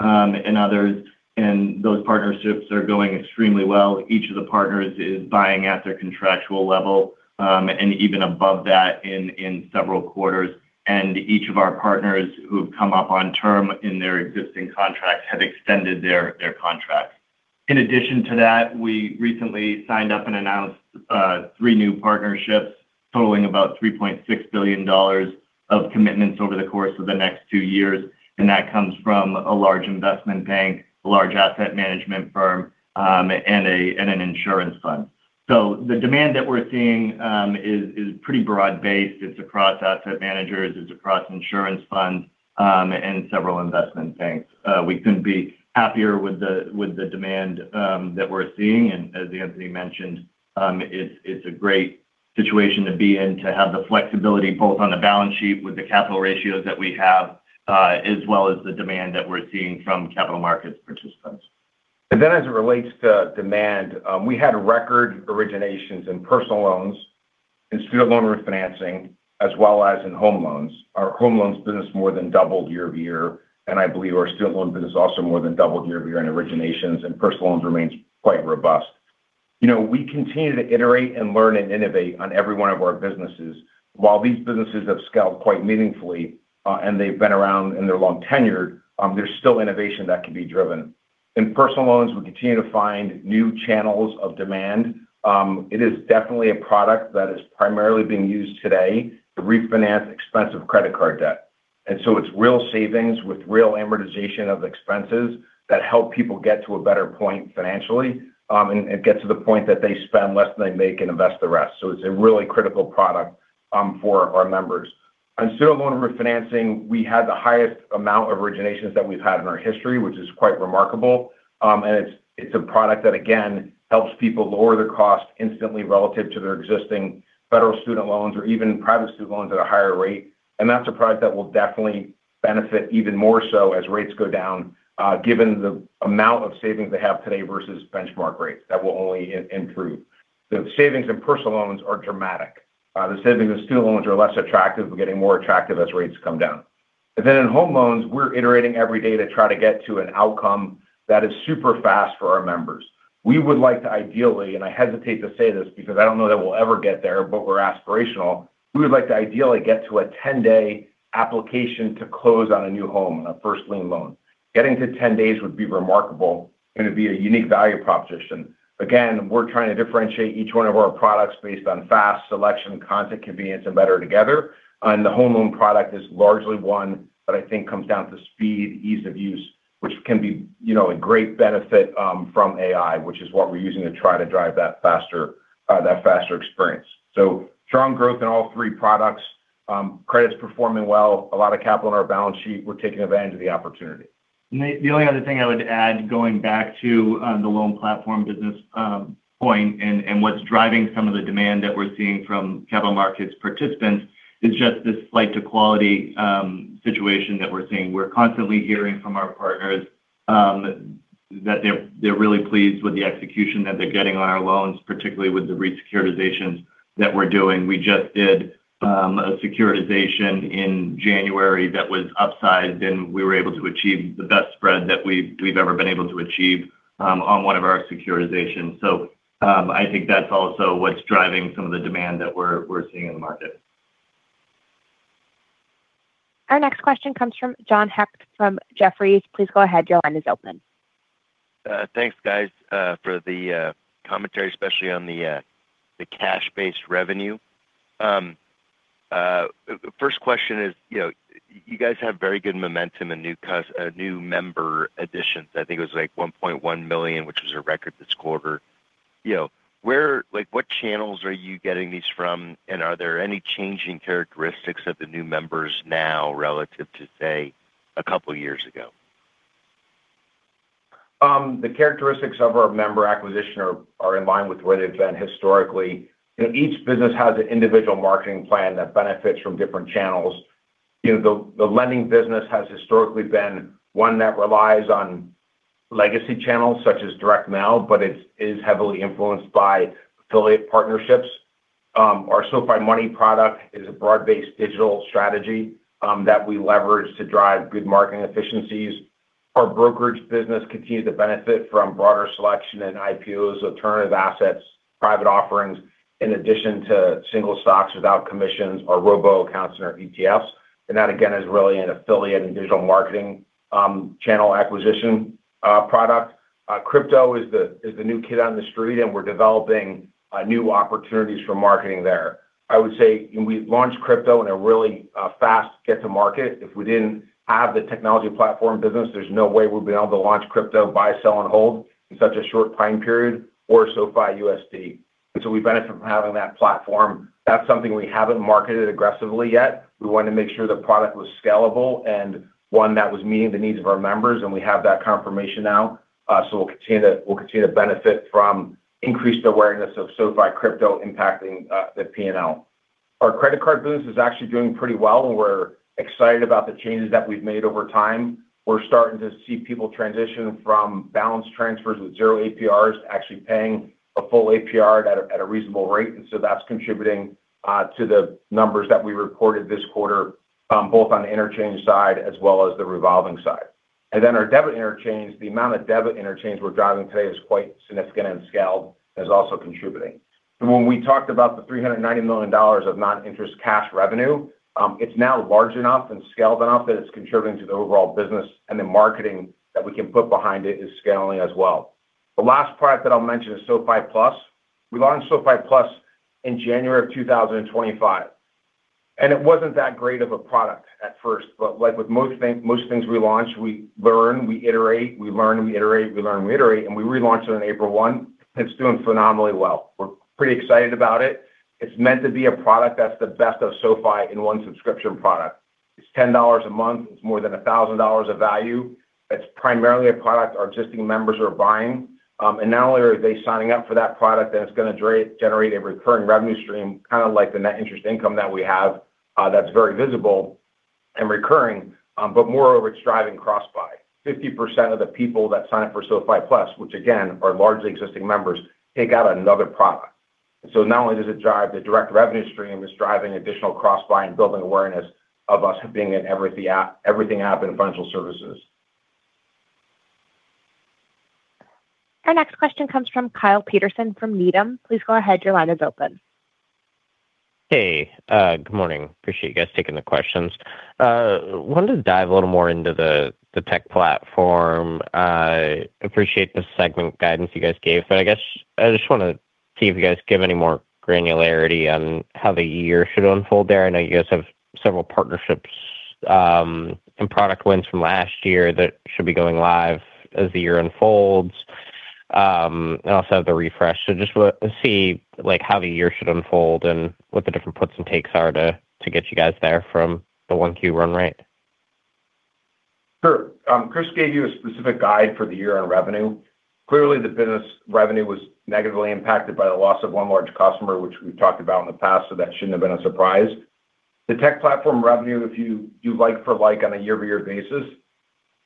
Speaker 4: and others, and those partnerships are going extremely well. Each of the partners is buying at their contractual level, and even above that in several quarters. Each of our partners who have come up on term in their existing contracts have extended their contracts. In addition to that, we recently signed up and announced three new partnerships totaling about $3.6 billion of commitments over the course of the next two years, and that comes from a large investment bank, a large asset management firm, and an insurance fund. The demand that we're seeing is pretty broad-based. It's across asset managers, it's across insurance funds, and several investment banks. We couldn't be happier with the demand that we're seeing. As Anthony mentioned, it's a great situation to be in to have the flexibility both on the balance sheet with the capital ratios that we have, as well as the demand that we're seeing from capital markets participants.
Speaker 3: As it relates to demand, we had record originations in personal loans and student loan refinancing, as well as in home loans. Our home loans business more than doubled year-over-year, and I believe our student loan business also more than doubled year-over-year in originations, and personal loans remains quite robust. You know, we continue to iterate and learn and innovate on every one of our businesses. While these businesses have scaled quite meaningfully, and they've been around and they're long tenured, there's still innovation that can be driven. In personal loans, we continue to find new channels of demand. It is definitely a product that is primarily being used today to refinance expensive credit card debt. It's real savings with real amortization of expenses that help people get to a better point financially, and get to the point that they spend less than they make and invest the rest. It's a really critical product for our members. On student loan refinancing, we had the highest amount of originations that we've had in our history, which is quite remarkable. It's a product that, again, helps people lower their cost instantly relative to their existing federal student loans or even private student loans at a higher rate. That's a product that will definitely benefit even more so as rates go down, given the amount of savings they have today versus benchmark rates. That will only improve. The savings in personal loans are dramatic. The savings in student loans are less attractive but getting more attractive as rates come down. In home loans, we're iterating every day to try to get to an outcome that is super fast for our members. We would like to ideally, and I hesitate to say this because I don't know that we'll ever get there, but we're aspirational, we would like to ideally get to a 10-day application to close on a new home, a first lien loan. Getting to 10 days would be remarkable and it'd be a unique value proposition. Again, we're trying to differentiate each one of our products based on fast selection, content, convenience, and better together. The home loan product is largely one that I think comes down to speed, ease of use, which can be, you know, a great benefit from AI, which is what we're using to try to drive that faster, that faster experience. Strong growth in all three products. Credit's performing well. A lot of capital on our balance sheet. We're taking advantage of the opportunity.
Speaker 4: The only other thing I would add, going back to the Loan Platform Business point and what's driving some of the demand that we're seeing from capital markets participants is just this flight to quality situation that we're seeing. We're constantly hearing from our partners that they're really pleased with the execution that they're getting on our loans, particularly with the re-securitizations that we're doing. We just did a securitization in January that was upsized, and we were able to achieve the best spread that we've ever been able to achieve on one of our securitizations. I think that's also what's driving some of the demand that we're seeing in the market.
Speaker 1: Our next question comes from John Hecht from Jefferies. Please go ahead. Your line is open.
Speaker 9: Thanks, guys, for the commentary, especially on the cash-based revenue. The first question is, you know, you guys have very good momentum in new member additions. I think it was like $1.1 million, which was a record this quarter. You know, like, what channels are you getting these from? Are there any changing characteristics of the new members now relative to, say, a couple years ago?
Speaker 3: The characteristics of our member acquisition are in line with what they've been historically. You know, each business has an individual marketing plan that benefits from different channels. You know, the lending business has historically been one that relies on legacy channels such as direct mail, but it is heavily influenced by affiliate partnerships. Our SoFi Money product is a broad-based digital strategy that we leverage to drive good marketing efficiencies. Our brokerage business continues to benefit from broader selection in IPOs, alternative assets, private offerings, in addition to single stocks without commissions, our robo accounts, and our ETFs. That, again, is really an affiliate and digital marketing, channel acquisition, product. Crypto is the new kid on the street, and we're developing new opportunities for marketing there. I would say when we launched crypto in a really fast get to market, if we didn't have the technology platform business, there's no way we'd be able to launch crypto buy, sell, and hold in such a short time period or SoFiUSD. We benefit from having that platform. That's something we haven't marketed aggressively yet. We wanted to make sure the product was scalable and one that was meeting the needs of our members, and we have that confirmation now. We'll continue to benefit from increased awareness of SoFi crypto impacting the P&L. Our credit card business is actually doing pretty well, and we're excited about the changes that we've made over time. We're starting to see people transition from balance transfers with zero 0 APRs to actually paying a full APR at a reasonable rate. That's contributing to the numbers that we reported this quarter, both on the interchange side as well as the revolving side. Our debit interchange, the amount of debit interchange we're driving today is quite significant and scaled, and is also contributing. When we talked about the $390 million of non-interest cash revenue, it's now large enough and scaled enough that it's contributing to the overall business, and the marketing that we can put behind it is scaling as well. The last product that I'll mention is SoFi Plus. We launched SoFi Plus in January of 2025, and it wasn't that great of a product at first. Like with most things we launch, we learn, we iterate, we learn, we iterate, we learn, we iterate, and we relaunched it on April 1, and it's doing phenomenally well. We're pretty excited about it. It's meant to be a product that's the best of SoFi in one subscription product. It's $10 a month. It's more than $1,000 of value. It's primarily a product our existing members are buying. Not only are they signing up for that product, and it's gonna generate a recurring revenue stream, kind of like the net interest income that we have, that's very visible and recurring, but moreover, it's driving cross-buy. 50% of the people that sign up for SoFi Plus, which again, are largely existing members, take out another product. Not only does it drive the direct revenue stream, it's driving additional cross-buy and building awareness of us being an Everything app in financial services.
Speaker 1: Our next question comes from Kyle Peterson from Needham. Please go ahead. Your line is open.
Speaker 10: Hey. Good morning. Appreciate you guys taking the questions. Wanted to dive a little more into the tech platform. I appreciate the segment guidance you guys gave. I guess I just want to see if you guys give any more granularity on how the year should unfold there. I know you guys have several partnerships, product wins from last year that should be going live as the year unfolds, also the refresh. Just see, like, how the year should unfold and what the different puts and takes are to get you guys there from the 1Q run rate.
Speaker 3: Sure. Chris gave you a specific guide for the year on revenue. The business revenue was negatively impacted by the loss of one large customer, which we've talked about in the past, so that shouldn't have been a surprise. The tech platform revenue, if you do like for like on a year-over-year basis,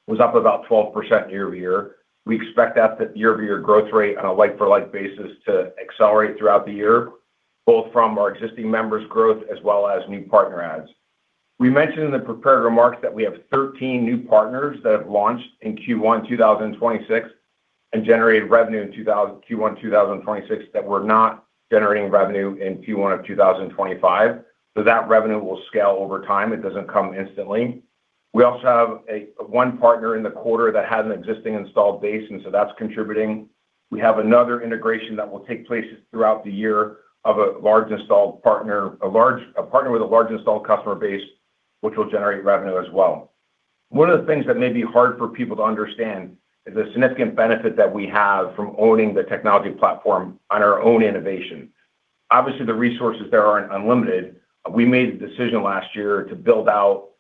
Speaker 3: was up about 12% year-over-year. We expect that the year-over-year growth rate on a like-for-like basis to accelerate throughout the year, both from our existing members' growth as well as new partner adds. We mentioned in the prepared remarks that we have 13 new partners that have launched in Q1 2026 and generated revenue in Q1 2026 that were not generating revenue in Q1 of 2025. That revenue will scale over time. It doesn't come instantly. We also have one partner in the quarter that had an existing installed base, that's contributing. We have another integration that will take place throughout the year of a large installed partner, a partner with a large installed customer base, which will generate revenue as well. One of the things that may be hard for people to understand is the significant benefit that we have from owning the technology platform on our own innovation. Obviously, the resources there aren't unlimited. We made the decision last year to build out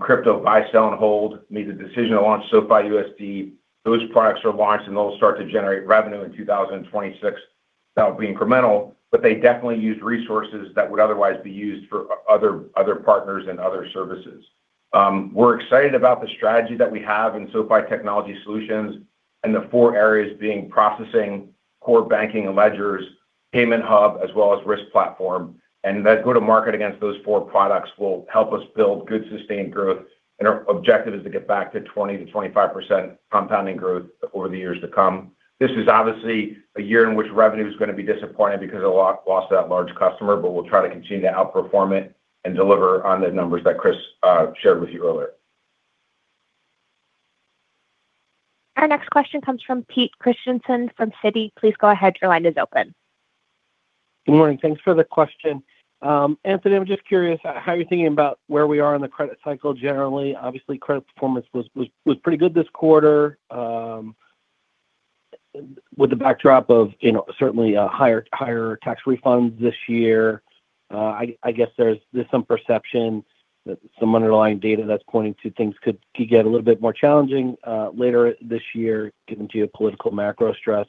Speaker 3: crypto buy, sell, and hold, made the decision to launch SoFiUSD. Those products are launched, they'll start to generate revenue in 2026. That'll be incremental, they definitely used resources that would otherwise be used for other partners and other services. We're excited about the strategy that we have in SoFi Technology Solutions, and the four areas being processing, core banking and ledgers, Payment Hub, as well as risk platform. That go-to-market against those four products will help us build good sustained growth, and our objective is to get back to 20%-25% compounding growth over the years to come. This is obviously a year in which revenue is gonna be disappointed because it lost that large customer. We'll try to continue to outperform it and deliver on the numbers that Chris shared with you earlier.
Speaker 1: Our next question comes from Peter Christiansen from Citi. Please go ahead.
Speaker 11: Good morning. Thanks for the question. Anthony, I'm just curious how you're thinking about where we are in the credit cycle generally. Obviously, credit performance was pretty good this quarter. With the backdrop of, you know, certainly a higher tax refunds this year, I guess there's some perception that some underlying data that's pointing to things could get a little bit more challenging later this year, given geopolitical, political macro stress.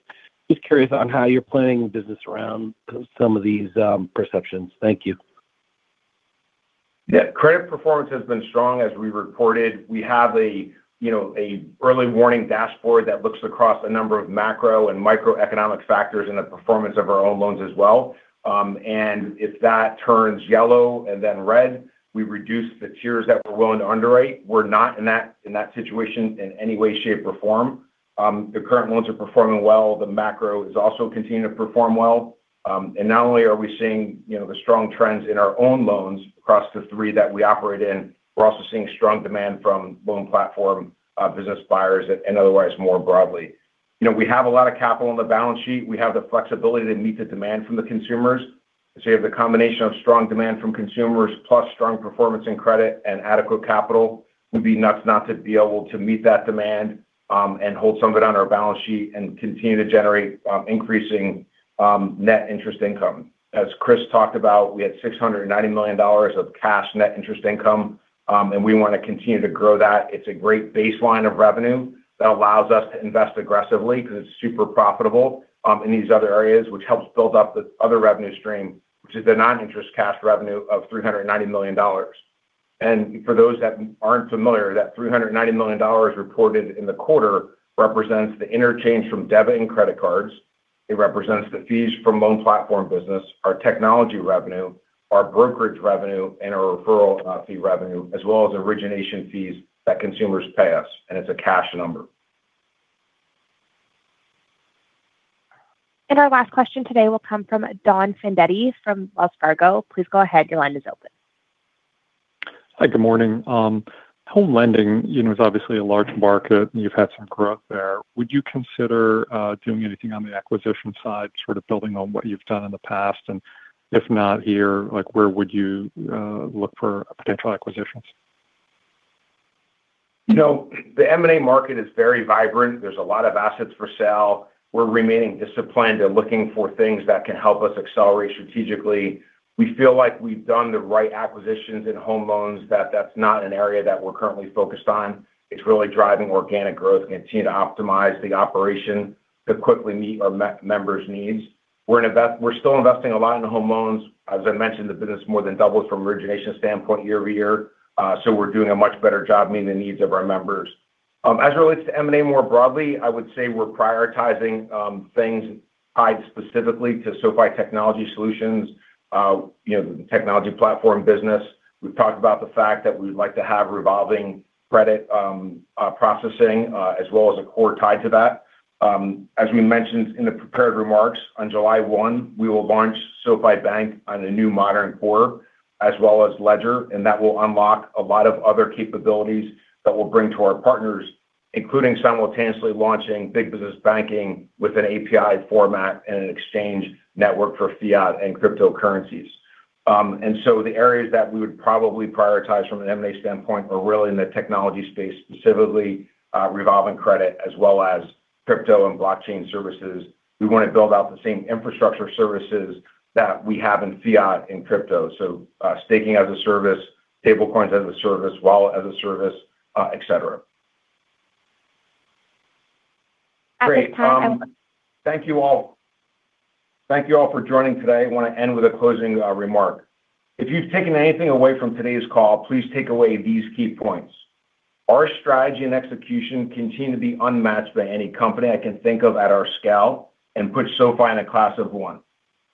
Speaker 11: Just curious on how you're planning the business around some of these perceptions. Thank you.
Speaker 3: Credit performance has been strong as we reported. We have a, you know, a early warning dashboard that looks across a number of macro and microeconomic factors in the performance of our own loans as well. If that turns yellow and then red, we reduce the tiers that we're willing to underwrite. We're not in that, in that situation in any way, shape, or form. The current loans are performing well. The macro is also continuing to perform well. Not only are we seeing, you know, the strong trends in our own loans across the three that we operate in, we're also seeing strong demand from Loan Platform Business buyers and otherwise more broadly. You know, we have a lot of capital on the balance sheet. We have the flexibility to meet the demand from the consumers. You have the combination of strong demand from consumers plus strong performance and credit and adequate capital. We'd be nuts not to be able to meet that demand, and hold some of it on our balance sheet and continue to generate increasing net interest income. As Chris talked about, we had $690 million of cash net interest income, and we wanna continue to grow that. It's a great baseline of revenue that allows us to invest aggressively because it's super profitable in these other areas, which helps build up the other revenue stream, which is the non-interest cash revenue of $390 million. For those that aren't familiar, that $390 million reported in the quarter represents the interchange from debit and credit cards. It represents the fees from Loan Platform Business, our technology revenue, our brokerage revenue, and our referral fee revenue, as well as origination fees that consumers pay us, and it's a cash number.
Speaker 1: Our last question today will come from Don Fandetti from Wells Fargo. Please go ahead. Your line is open.
Speaker 12: Hi. Good morning. home lending, you know, is obviously a large market, and you've had some growth there. Would you consider doing anything on the acquisition side, sort of building on what you've done in the past? If not here, like, where would you look for potential acquisitions?
Speaker 3: You know, the M&A market is very vibrant. There's a lot of assets for sale. We're remaining disciplined and looking for things that can help us accelerate strategically. We feel like we've done the right acquisitions in home loans, that that's not an area that we're currently focused on. It's really driving organic growth, continue to optimize the operation to quickly meet our members' needs. We're still investing a lot in the home loans. As I mentioned, the business more than doubled from origination standpoint year over year, so we're doing a much better job meeting the needs of our members. As it relates to M&A more broadly, I would say we're prioritizing, things tied specifically to SoFi Technology Solutions, you know, the technology platform business. We've talked about the fact that we'd like to have revolving credit, processing, as well as a core tied to that. As we mentioned in the prepared remarks, on July 1, we will launch SoFi Bank on a new modern core as well as ledger, and that will unlock a lot of other capabilities that we'll bring to our partners, including simultaneously launching big business banking with an API format and an exchange network for fiat and cryptocurrencies. The areas that we would probably prioritize from an M&A standpoint are really in the technology space, specifically, revolving credit as well as crypto and blockchain services. We wanna build out the same infrastructure services that we have in fiat and crypto. So, staking as a service, stablecoins as a service, wallet as a service, et cetera.
Speaker 1: At this time.
Speaker 3: Great. Thank you all. Thank you all for joining today. I want to end with a closing remark. If you've taken anything away from today's call, please take away these key points. Our strategy and execution continue to be unmatched by any company I can think of at our scale and put SoFi in a class of one.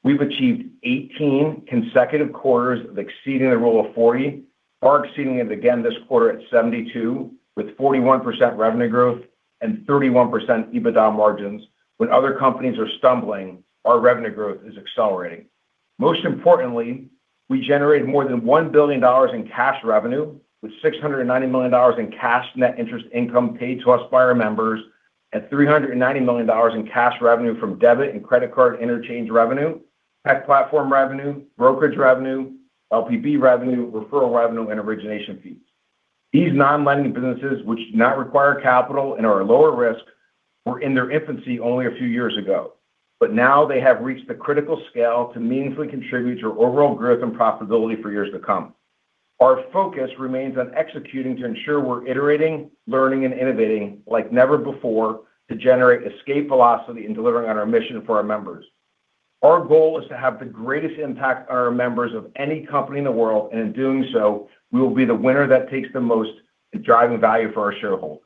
Speaker 3: We've achieved 18 consecutive quarters of exceeding the Rule of 40. Far exceeding it again this quarter at 72 with 41% revenue growth and 31% EBITDA margins. When other companies are stumbling, our revenue growth is accelerating. Most importantly, we generated more than $1 billion in cash revenue with $690 million in cash net interest income paid to us by our members and $390 million in cash revenue from debit and credit card interchange revenue, tech platform revenue, brokerage revenue, LPB revenue, referral revenue, and origination fees. These non-lending businesses, which do not require capital and are lower risk, were in their infancy only a few years ago. Now they have reached the critical scale to meaningfully contribute to our overall growth and profitability for years to come. Our focus remains on executing to ensure we're iterating, learning, and innovating like never before to generate escape velocity in delivering on our mission for our members. Our goal is to have the greatest impact on our members of any company in the world, and in doing so, we will be the winner that takes the most in driving value for our shareholders.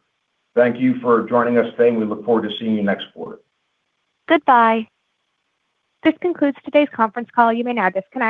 Speaker 3: Thank you for joining us today, and we look forward to seeing you next quarter.
Speaker 1: Goodbye. This concludes today's conference call. You may now disconnect.